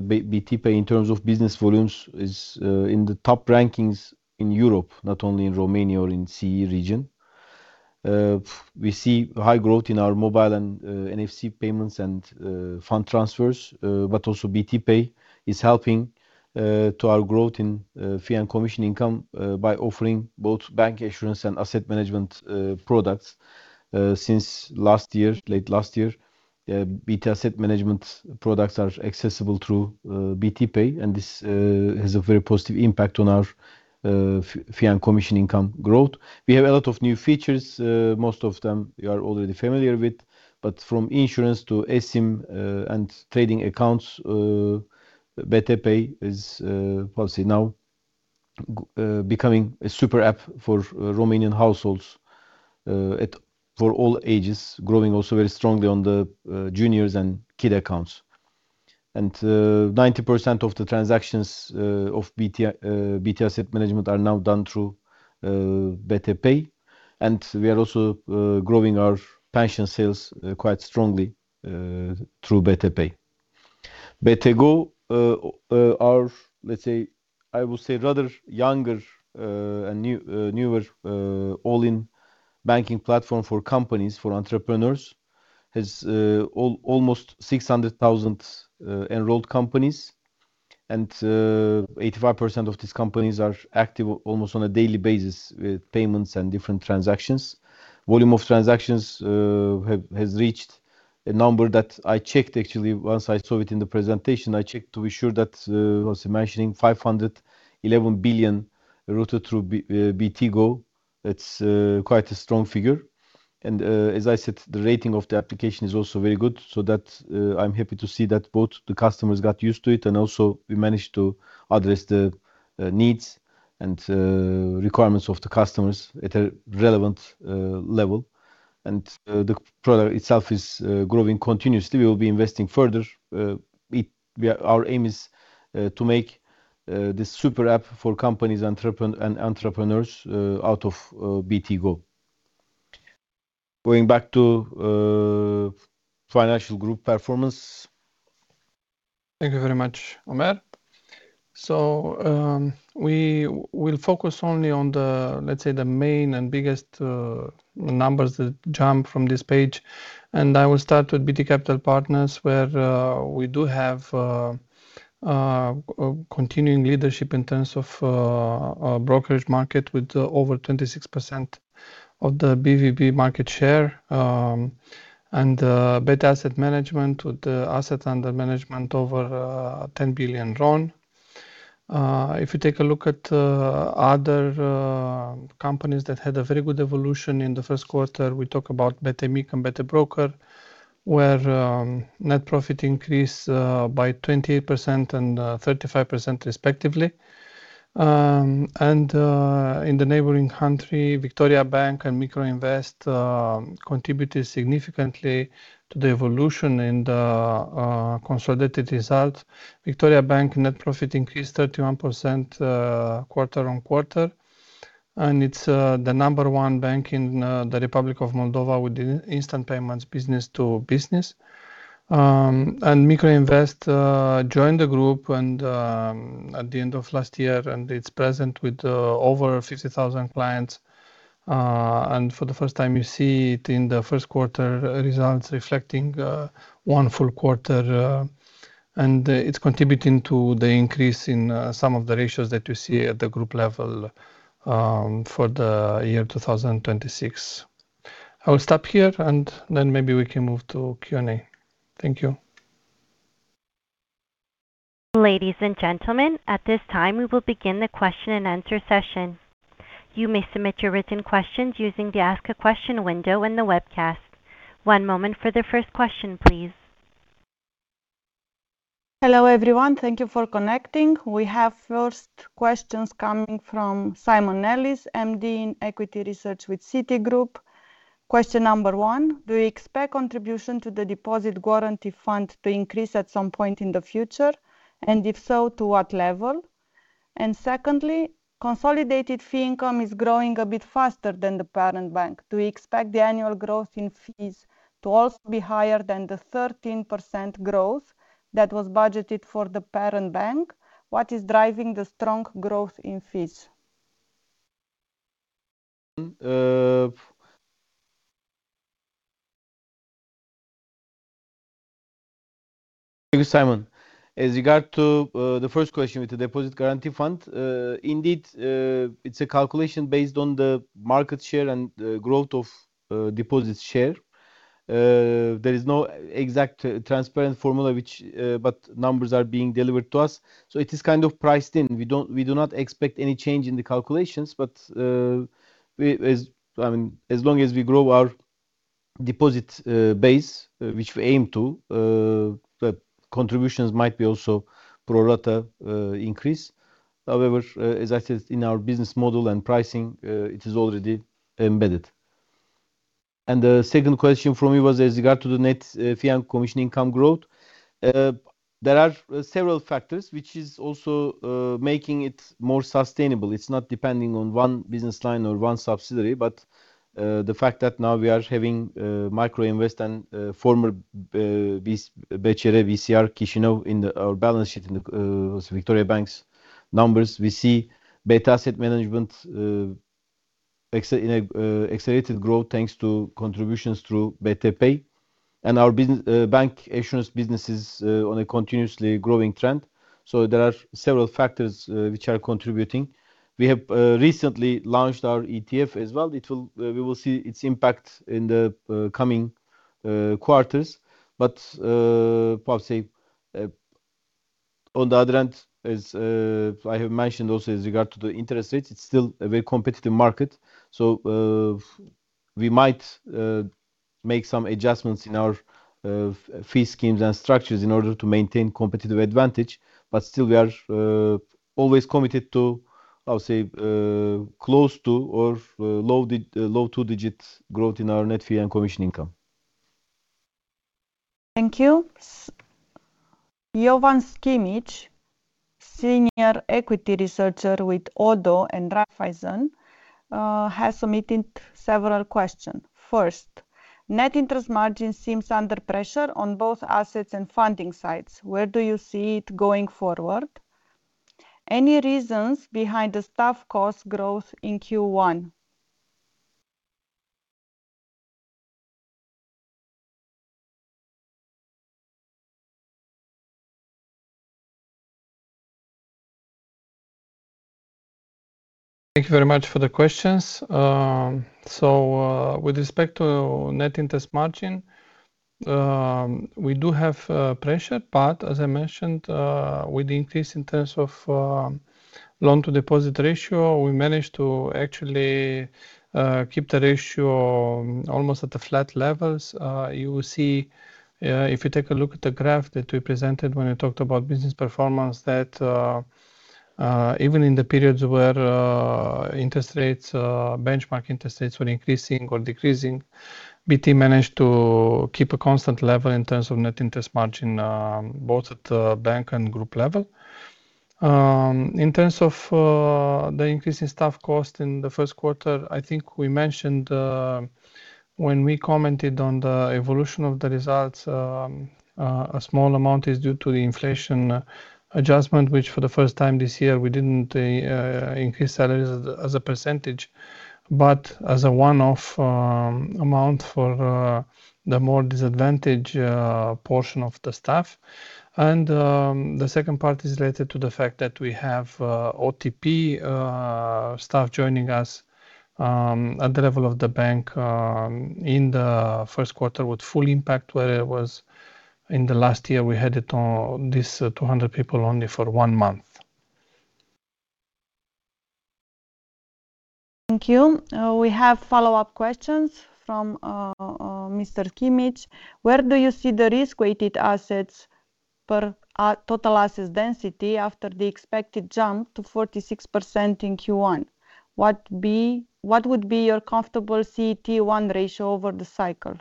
BT Pay, in terms of business volumes, is in the top rankings in Europe, not only in Romania or in CE region. We see high growth in our mobile and NFC payments and fund transfers, but also BT Pay is helping to our growth in fee and commission income by offering both bank assurance and asset management products. Since late last year, BT Asset Management products are accessible through BT Pay, and this has a very positive impact on our fee and commission income growth. We have a lot of new features, most of them you are already familiar with, but from insurance to eSIM and trading accounts, BT Pay is policy now becoming a super app for Romanian households for all ages, growing also very strongly on the juniors and kid accounts. 90% of the transactions of BT Asset Management are now done through BT Pay, and we are also growing our pension sales quite strongly through BT Pay. BT Go, our, I would say, rather younger and newer all-in banking platform for companies, for entrepreneurs, has almost 600,000 enrolled companies, and 85% of these companies are active almost on a daily basis with payments and different transactions. Volume of transactions has reached a number that I checked, actually, once I saw it in the presentation. I checked to be sure that I was mentioning 511 billion routed through BT Go. It's quite a strong figure. As I said, the rating of the application is also very good, so that I'm happy to see that both the customers got used to it and also we managed to address the needs and requirements of the customers at a relevant level. The product itself is growing continuously. We will be investing further. Our aim is to make this super app for companies and entrepreneurs out of BT Go. Going back to financial group performance. Thank you very much, Ömer. We will focus only on the, let's say, the main and biggest numbers that jump from this page. I will start with BT Capital Partners, where we do have continuing leadership in terms of brokerage market with over 26% of the BVB market share, and BT Asset Management with asset under management over 10 billion RON. If you take a look at other companies that had a very good evolution in the first quarter, we talk about BT Mic and BT Broker, where net profit increased by 28% and 35% respectively. In the neighboring country, Victoriabank and Microinvest contributed significantly to the evolution and consolidated result. Victoriabank net profit increased 31% quarter on quarter, and it's the number 1 bank in the Republic of Moldova with instant payments business to business. Microinvest joined the group at the end of last year, and it's present with over 50,000 clients. For the first time, you see it in the first quarter results reflecting one full quarter, and it's contributing to the increase in some of the ratios that you see at the group level for the year 2026. I will stop here, and then maybe we can move to Q&A. Thank you. Ladies and gentlemen, at this time, we will begin the question and answer session. You may submit your written questions using the Ask a Question window in the webcast. One moment for the first question, please. Hello, everyone. Thank you for connecting. We have first questions coming from Simon Nellis, MD in Equity Research with Citigroup. Question number one, do you expect contribution to the Deposit Guarantee Fund to increase at some point in the future, and if so, to what level? Secondly, consolidated fee income is growing a bit faster than the parent bank. Do we expect the annual growth in fees to also be higher than the 13% growth that was budgeted for the parent bank? What is driving the strong growth in fees? Thank you, Simon. As regards to the first question with the Deposit Guarantee Fund, indeed, it's a calculation based on the market share and growth of deposits share. There is no exact transparent formula, but numbers are being delivered to us. It is kind of priced in. We do not expect any change in the calculations, but as long as we grow our deposit base, which we aim to, the contributions might be also pro rata increase. However, as I said, in our business model and pricing, it is already embedded. The second question from me was as regards to the net fee and commission income growth. There are several factors which is also making it more sustainable. It's not depending on one business line or one subsidiary. The fact that now we are having Microinvest and former BCR Chișinău in our balance sheet in Victoriabank's numbers. We see BT Asset Management, accelerated growth thanks to contributions through BT Pay and our bank assurance business is on a continuously growing trend. There are several factors which are contributing. We have recently launched our ETF as well. We will see its impact in the coming quarters. Perhaps say, on the other end, as I have mentioned also with regard to the interest rates, it's still a very competitive market. We might make some adjustments in our fee schemes and structures in order to maintain competitive advantage. Still we are always committed to, I would say close to or low 2 digits growth in our net fee and commission income. Thank you. Jovan Sikimić, senior equity researcher with Oddo and Raiffeisen, has submitted several question. First, net interest margin seems under pressure on both assets and funding sides. Where do you see it going forward? Any reasons behind the staff cost growth in Q1? Thank you very much for the questions. With respect to net interest margin, we do have pressure, but as I mentioned, with the increase in terms of loan-to-deposit ratio, we managed to actually keep the ratio almost at the flat levels. You will see if you take a look at the graph that we presented when we talked about business performance that even in the periods where benchmark interest rates were increasing or decreasing, BT managed to keep a constant level in terms of net interest margin, both at bank and group level. In terms of the increase in staff cost in the first quarter, I think we mentioned, when we commented on the evolution of the results, a small amount is due to the inflation adjustment, which for the first time this year, we didn't increase salaries as a percentage, but as a one-off amount for the more disadvantaged portion of the staff. The second part is related to the fact that we have OTP staff joining us at the level of the bank, in the first quarter with full impact, where it was in the last year, we had these 200 people only for one month. Thank you. We have follow-up questions from Mr. Sikimić. Where do you see the risk-weighted assets per total assets density after the expected jump to 46% in Q1? What would be your comfortable CET1 ratio over the cycle?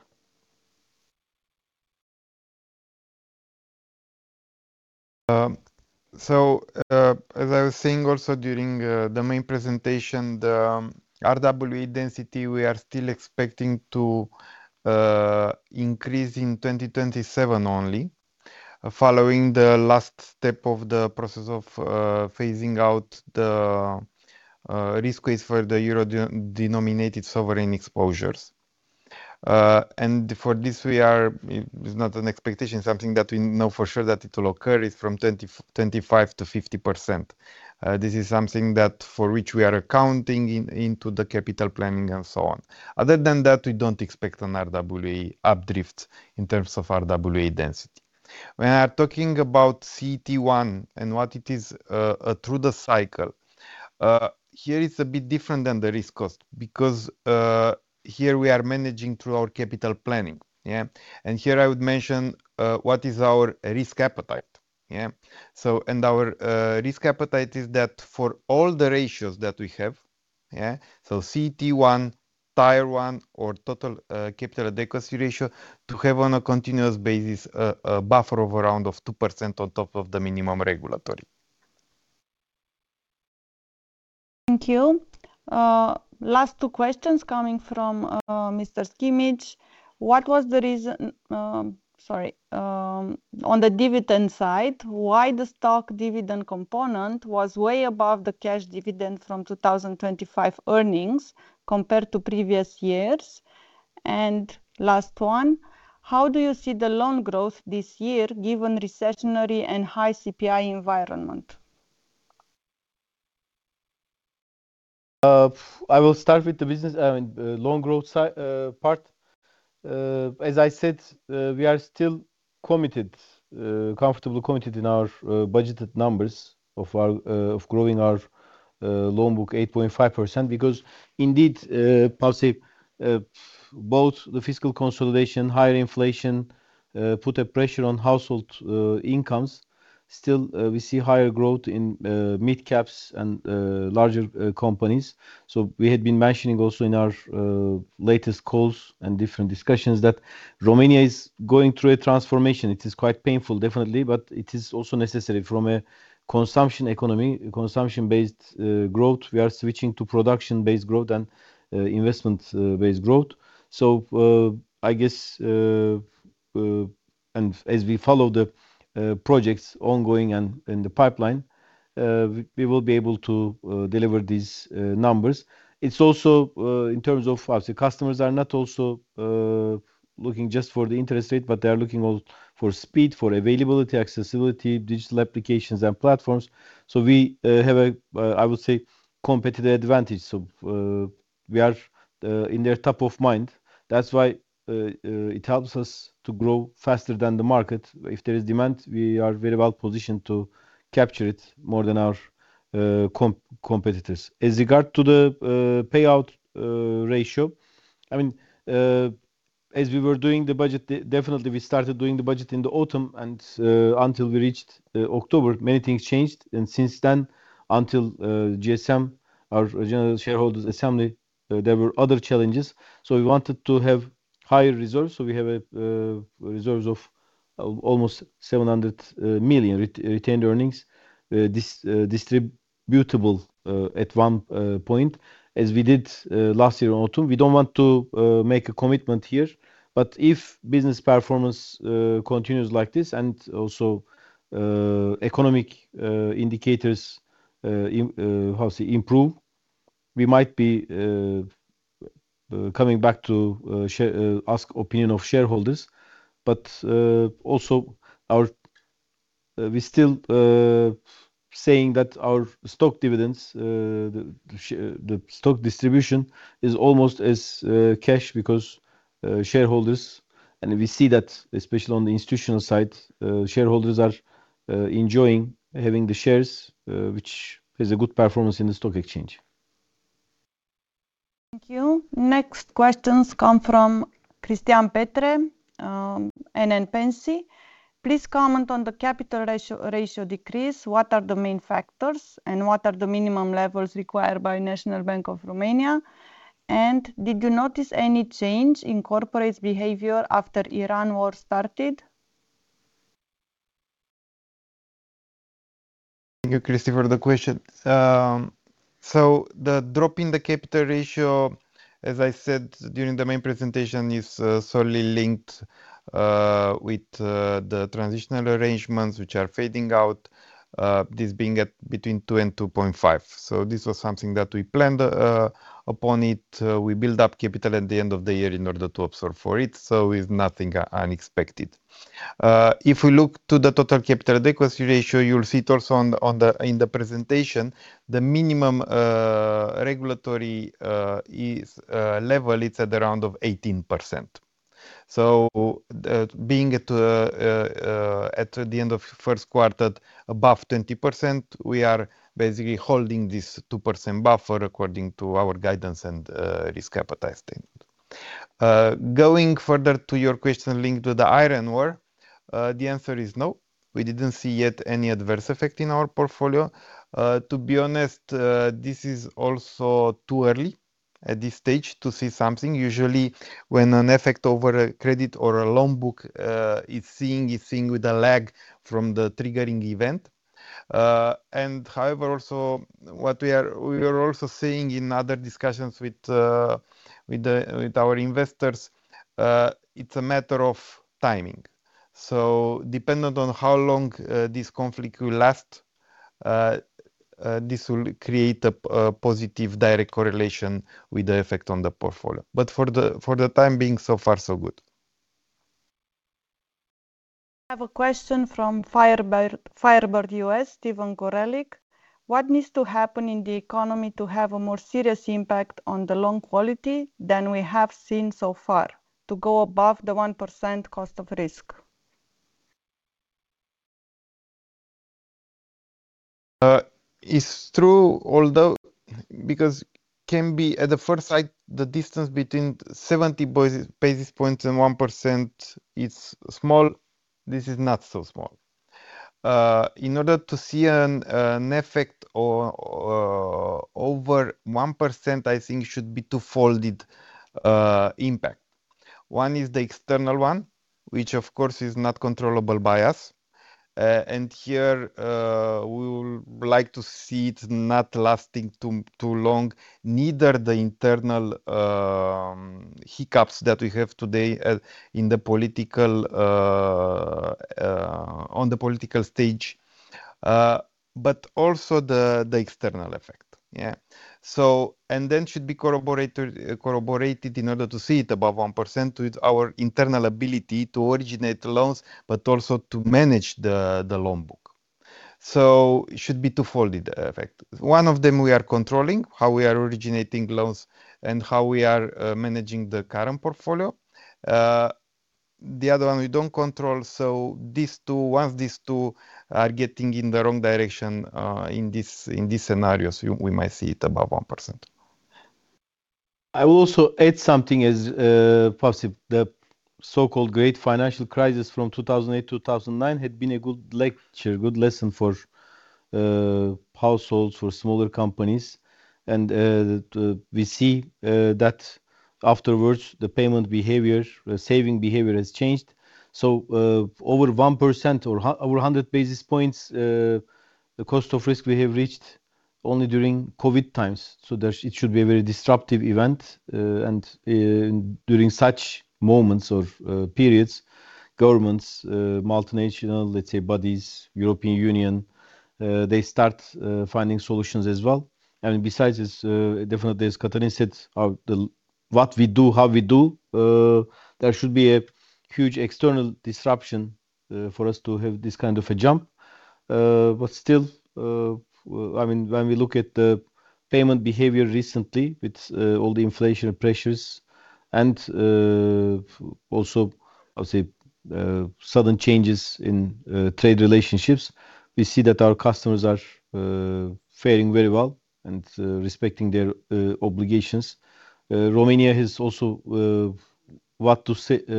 As I was saying also during the main presentation, the RWA density, we are still expecting to increase in 2027 only, following the last step of the process of phasing out the risk weights for the euro-denominated sovereign exposures. For this, it's not an expectation, something that we know for sure that it will occur is from 25% to 50%. This is something that for which we are accounting into the capital planning and so on. Other than that, we don't expect an RWA up drift in terms of RWA density. When we are talking about CET1 and what it is through the cycle, here it's a bit different than the risk cost because here we are managing through our capital planning. Yeah. Here I would mention what is our risk appetite. Yeah. Our risk appetite is that for all the ratios that we have. Yeah. CET1, Tier 1 or total capital adequacy ratio to have on a continuous basis a buffer of around of 2% on top of the minimum regulatory. Thank you. Last two questions coming from Mr. Sikimić. On the dividend side, why the stock dividend component was way above the cash dividend from 2025 earnings compared to previous years? Last one, how do you see the loan growth this year given recessionary and high CPI environment? I will start with the business, I mean, loan growth part. As I said, we are still comfortable committed in our budgeted numbers of growing our loan book 8.5%, because indeed, both the fiscal consolidation, higher inflation put a pressure on household incomes. We see higher growth in mid-caps and larger companies. We had been mentioning also in our latest calls and different discussions that Romania is going through a transformation. It is quite painful, definitely, but it is also necessary. From a consumption economy, consumption-based growth, we are switching to production-based growth and investment-based growth. I guess, and as we follow the projects ongoing and in the pipeline, we will be able to deliver these numbers. It's also in terms of, obviously, customers are not also looking just for the interest rate, but they are looking also for speed, for availability, accessibility, digital applications, and platforms. We have a, I would say, competitive advantage. We are in their top of mind. That's why it helps us to grow faster than the market. If there is demand, we are very well positioned to capture it more than our competitors. As regard to the payout ratio, as we were doing the budget, definitely we started doing the budget in the autumn, and until we reached October, many things changed. Since then, until GSM, our General Shareholders Assembly, there were other challenges. We wanted to have higher reserves. We have reserves of almost RON 700 million retained earnings distributable at one point, as we did last year in autumn. We don't want to make a commitment here, but if business performance continues like this and also economic indicators improve, we might be coming back to ask opinion of shareholders. We're still saying that our stock dividends, the stock distribution is almost as cash because shareholders, and we see that especially on the institutional side, shareholders are enjoying having the shares which is a good performance in the stock exchange. Thank you. Next questions come from Cristian Petre, NN Pensii. Please comment on the capital ratio decrease. What are the main factors, and what are the minimum levels required by National Bank of Romania? Did you notice any change in corporate behavior after Ukraine war started? Thank you, Cristian, for the question. The drop in the capital ratio, as I said during the main presentation, is solely linked with the transitional arrangements which are fading out, this being at between two and 2.5. So is nothing unexpected. If we look to the total capital adequacy ratio, you'll see it also in the presentation, the minimum regulatory is level it's at around of 18%. So being at the end of first quarter above 20%, we are basically holding this 2% buffer according to our guidance and risk appetite statement. Going further to your question linked to the Iran war, the answer is no. We didn't see yet any adverse effect in our portfolio. To be honest, this is also too early at this stage to see something. Usually, when an effect over a credit or a loan book is seen, it's seen with a lag from the triggering event. However, also what we are also seeing in other discussions with our investors, it's a matter of timing. Dependent on how long this conflict will last, this will create a positive direct correlation with the effect on the portfolio. For the time being, so far so good. I have a question from Firebird Management, Steven Gorelik. What needs to happen in the economy to have a more serious impact on the loan quality than we have seen so far to go above the 1% cost of risk? It's true, although because can be at the first sight, the distance between 70 basis points and 1% is small. This is not so small. In order to see an effect over 1%, I think should be two-folded impact. One is the external one, which of course is not controllable by us. Here, we would like to see it not lasting too long, neither the internal hiccups that we have today on the political stage, but also the external effect. Yeah. Then should be corroborated in order to see it above 1% with our internal ability to originate loans, but also to manage the loan book. It should be two-folded effect. One of them, we are controlling how we are originating loans and how we are managing the current portfolio. The other one we don't control. Once these two are getting in the wrong direction in these scenarios, we might see it above 1%. I will also add something as possibly the so-called great financial crisis from 2008, 2009 had been a good lecture, good lesson for households, for smaller companies. We see that afterwards, the payment behavior, saving behavior has changed. Over 1% or over 100 basis points, the cost of risk we have reached only during COVID times. It should be a very disruptive event, and during such moments of periods, governments, multinational, let's say bodies, European Union, they start finding solutions as well. I mean, besides this, definitely as Cătălin Caragea said, what we do, how we do, there should be a huge external disruption for us to have this kind of a jump. Still, when we look at the payment behavior recently with all the inflation pressures and also, I would say, sudden changes in trade relationships, we see that our customers are faring very well and respecting their obligations. Romania has also what to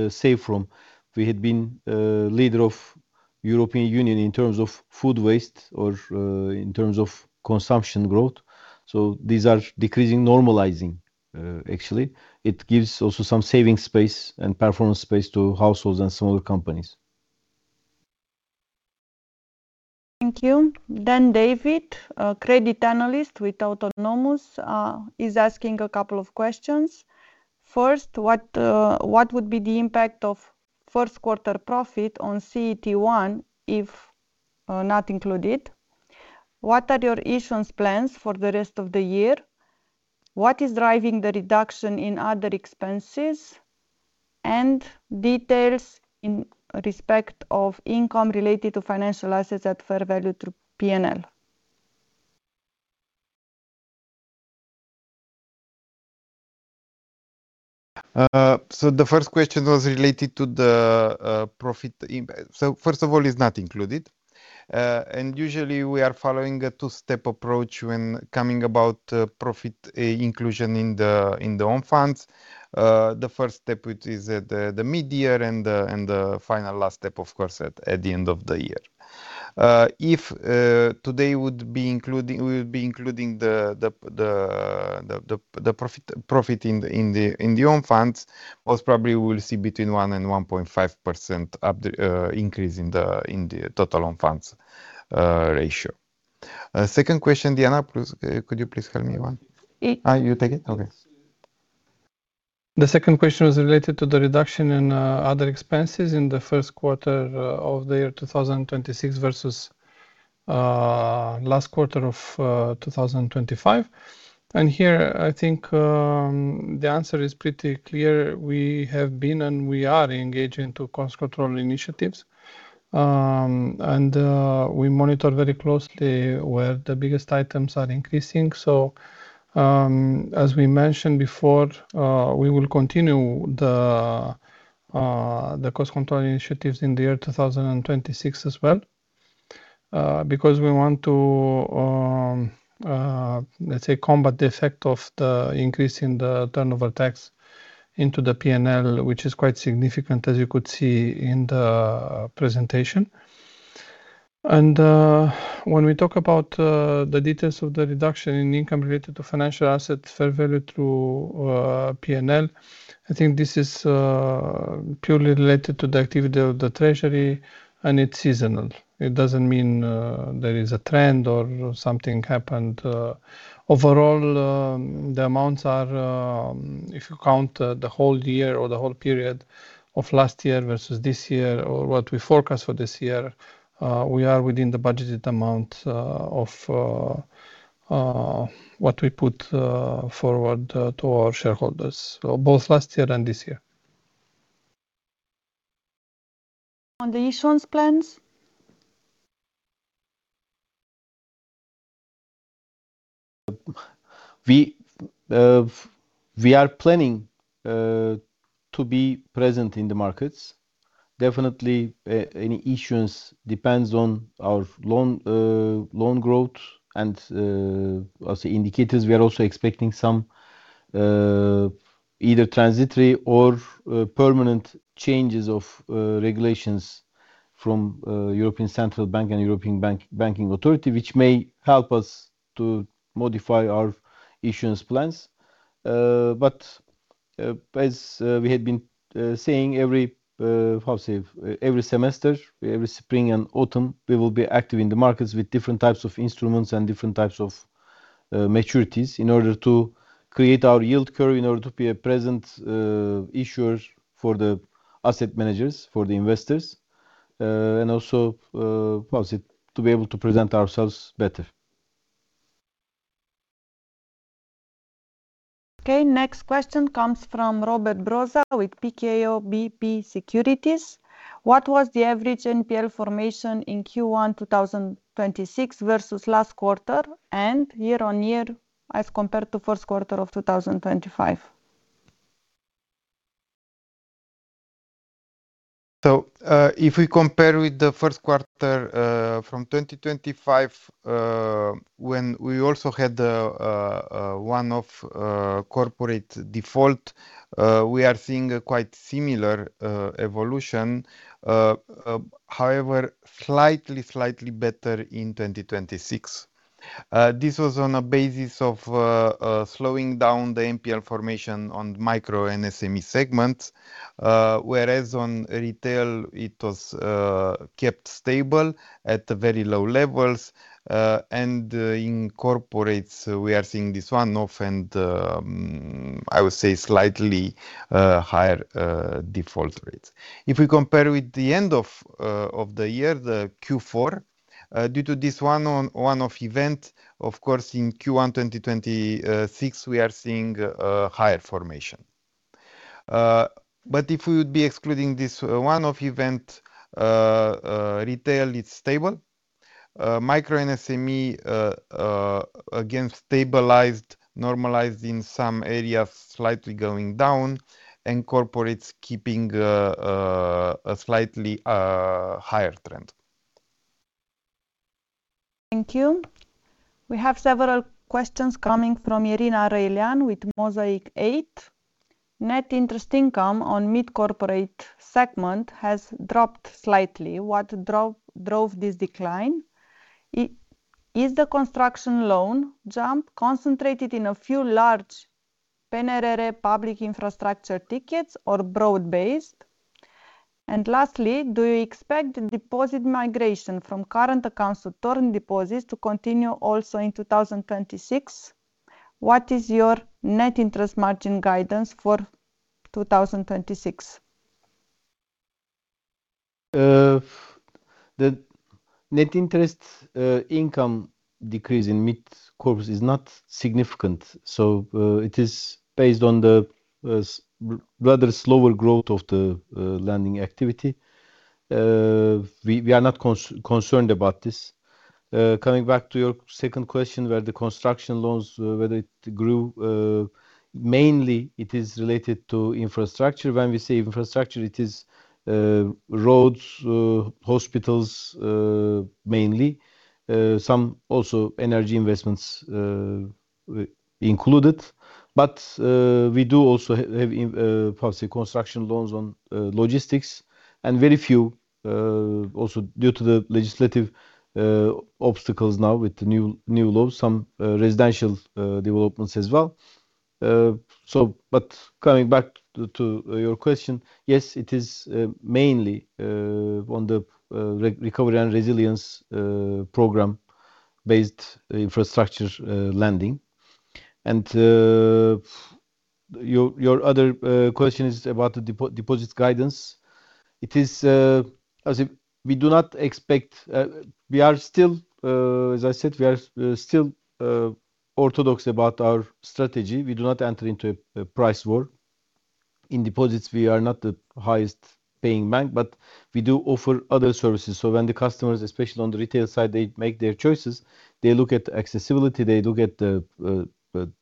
save from. We had been leader of European Union in terms of food waste or in terms of consumption growth. These are decreasing, normalizing, actually. It gives also some saving space and performance space to households and smaller companies. Thank you. David, a credit analyst with Autonomous is asking a couple of questions. First, what would be the impact of first quarter profit on CET1 if not included? What are your issuance plans for the rest of the year? What is driving the reduction in other expenses, and details in respect of income related to financial assets at fair value through P&L? The first question was related to the profit impact. First of all, it's not included. Usually we are following a two-step approach when coming about profit inclusion in the own funds. The first step, which is the mid-year and the final last step, of course, at the end of the year. If today we would be including the profit in the own funds, most probably we will see between 1% and 1.5% increase in the total own funds ratio. Second question, Diana, could you please help me with one? You take it? Okay. The second question was related to the reduction in other expenses in the first quarter of the year 2026 versus last quarter of 2025. Here, I think, the answer is pretty clear. We have been and we are engaging to cost control initiatives. We monitor very closely where the biggest items are increasing. As we mentioned before, we will continue the cost control initiatives in the year 2026 as well because we want to, let's say, combat the effect of the increase in the turnover tax into the P&L, which is quite significant as you could see in the presentation. When we talk about the details of the reduction in income related to financial assets, fair value through P&L, I think this is purely related to the activity of the treasury, and it's seasonal. It doesn't mean there is a trend or something happened. Overall, the amounts are, if you count the whole year or the whole period of last year versus this year or what we forecast for this year, we are within the budgeted amount of what we put forward to our shareholders, both last year and this year. On the issuance plans? We are planning to be present in the markets. Definitely, any issuance depends on our loan growth and indicators. We are also expecting some either transitory or permanent changes of regulations from European Central Bank and European Banking Authority, which may help us to modify our issuance plans. As we had been saying every semester, every spring and autumn, we will be active in the markets with different types of instruments and different types of maturities in order to create our yield curve, in order to be a present issuer for the asset managers, for the investors, and also to be able to present ourselves better. Okay, next question comes from Robert Brzoza with PKO Bank Polski. What was the average NPL formation in Q1 2026 versus last quarter and year-over-year as compared to first quarter of 2025? If we compare with the first quarter from 2025, when we also had one-off corporate default, we are seeing a quite similar evolution, however, slightly better in 2026. This was on a basis of slowing down the NPL formation on micro and SME segments, whereas on retail it was kept stable at very low levels, and in corporates we are seeing this one-off and, I would say slightly higher default rates. If we compare with the end of the year, the Q4, due to this one-off event, of course, in Q1 2026, we are seeing a higher formation. If we would be excluding this one-off event, retail, it's stable. Micro and SME, again stabilized, normalized in some areas, slightly going down, and corporates keeping a slightly higher trend. Thank you. We have several questions coming Irina Răilean with Mosaiq8. Net interest income on mid-corporate segment has dropped slightly. What drove this decline? Is the construction loan jump concentrated in a few large PNRR public infrastructure tickets or broad-based? Lastly, do you expect the deposit migration from current accounts to term deposits to continue also in 2026? What is your net interest margin guidance for 2026? The net interest income decrease in mid corps is not significant, it is based on the rather slower growth of the lending activity. We are not concerned about this. Coming back to your second question where the construction loans, whether it grew, mainly it is related to infrastructure. When we say infrastructure, it is roads, hospitals, mainly. Some also energy investments included. We do also have policy construction loans on logistics and very few, also due to the legislative obstacles now with the new law, some residential developments as well. Coming back to your question, yes, it is mainly on the Recovery and Resilience Program-based infrastructure lending. Your other question is about the deposit guidance. As I said, we are still orthodox about our strategy. We do not enter into a price war. In deposits, we are not the highest-paying bank, but we do offer other services. When the customers, especially on the retail side, they make their choices, they look at the accessibility, they look at the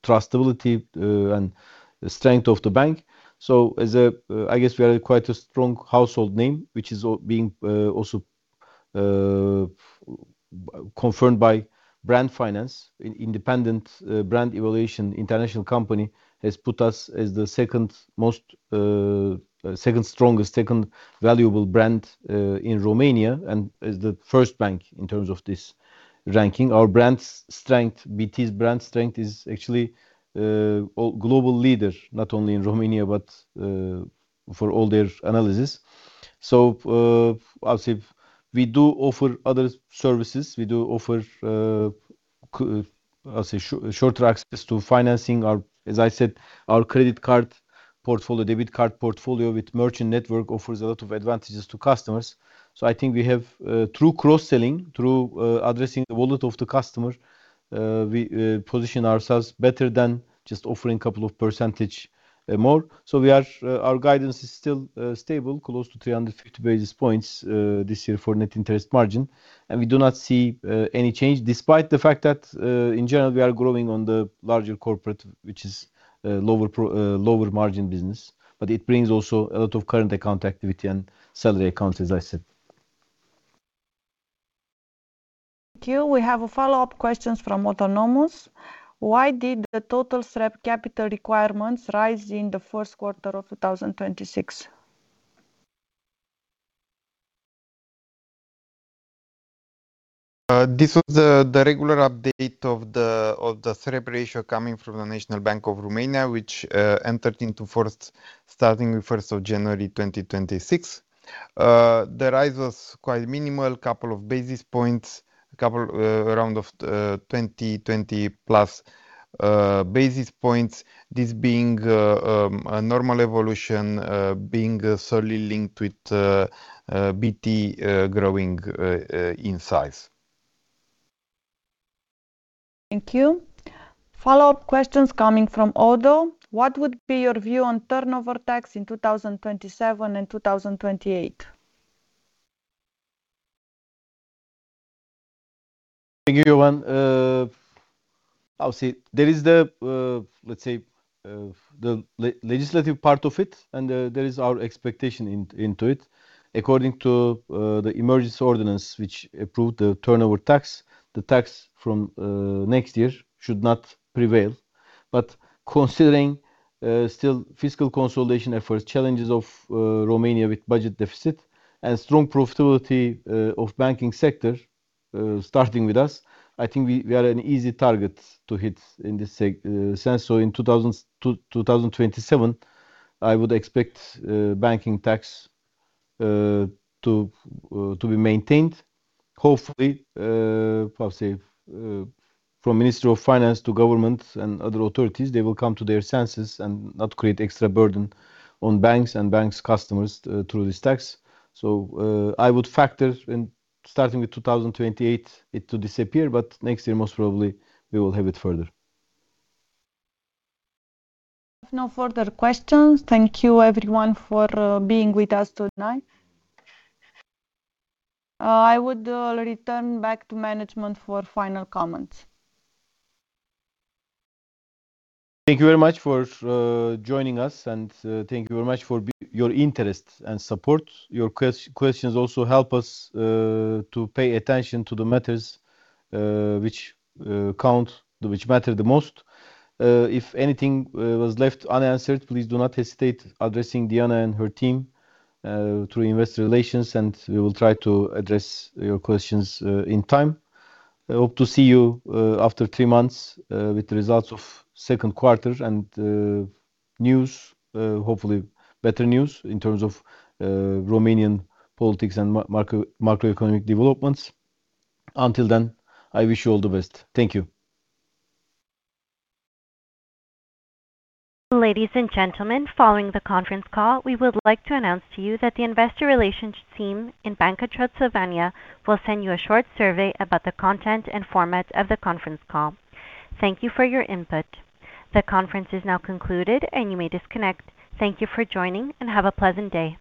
trustability and strength of the bank. I guess we are quite a strong household name, which is being also confirmed by Brand Finance, independent brand evaluation international company, has put us as the second strongest, second valuable brand in Romania and as the first bank in terms of this ranking. Our brand's strength, BT's brand strength, is actually a global leader, not only in Romania, but for all their analysis. As if we do offer other services, we do offer shorter access to financing our, as I said, our credit card portfolio, debit card portfolio with merchant network offers a lot of advantages to customers. I think we have through cross-selling, through addressing the wallet of the customer, we position ourselves better than just offering a couple of percentage more. Our guidance is still stable, close to 350 basis points this year for net interest margin, and we do not see any change, despite the fact that in general, we are growing on the larger corporate, which is lower margin business, but it brings also a lot of current account activity and salary accounts, as I said. Thank you. We have a follow-up question from Autonomous. Why did the total CET1 capital requirements rise in the first quarter of 2026? This was the regular update of the calibration coming from the National Bank of Romania, which entered into first starting the 1st of January 2026. The rise was quite minimal, couple of basis points, around of 20+ basis points. This being a normal evolution, being solely linked with BT growing in size. Thank you. Follow-up questions coming from Oddo. What would be your view on turnover tax in 2027 and 2028? Thank you, Ioan. I'll say there is the, let's say, the legislative part of it, and there is our expectation into it. According to the emergency ordinance which approved the turnover tax, the tax from next year should not prevail. Considering still fiscal consolidation efforts, challenges of Romania with budget deficit and strong profitability of banking sector, starting with us, I think we are an easy target to hit in this sense. In 2027, I would expect banking tax to be maintained, hopefully, from Ministry of Finance to government and other authorities, they will come to their senses and not create extra burden on banks and banks' customers through this tax. I would factor in starting with 2028 it to disappear, but next year, most probably we will have it further. No further questions. Thank you everyone for being with us tonight. I would return back to management for final comments. Thank you very much for joining us, and thank you very much for your interest and support. Your questions also help us to pay attention to the matters which matter the most. If anything was left unanswered, please do not hesitate addressing Diana and her team through investor relations. We will try to address your questions in time. I hope to see you after three months with the results of second quarter and news, hopefully better news in terms of Romanian politics and macroeconomic developments. Until then, I wish you all the best. Thank you. Ladies and gentlemen, following the conference call, we would like to announce to you that the investor relations team in Banca Transilvania will send you a short survey about the content and format of the conference call. Thank you for your input. The conference is now concluded, and you may disconnect. Thank you for joining and have a pleasant day.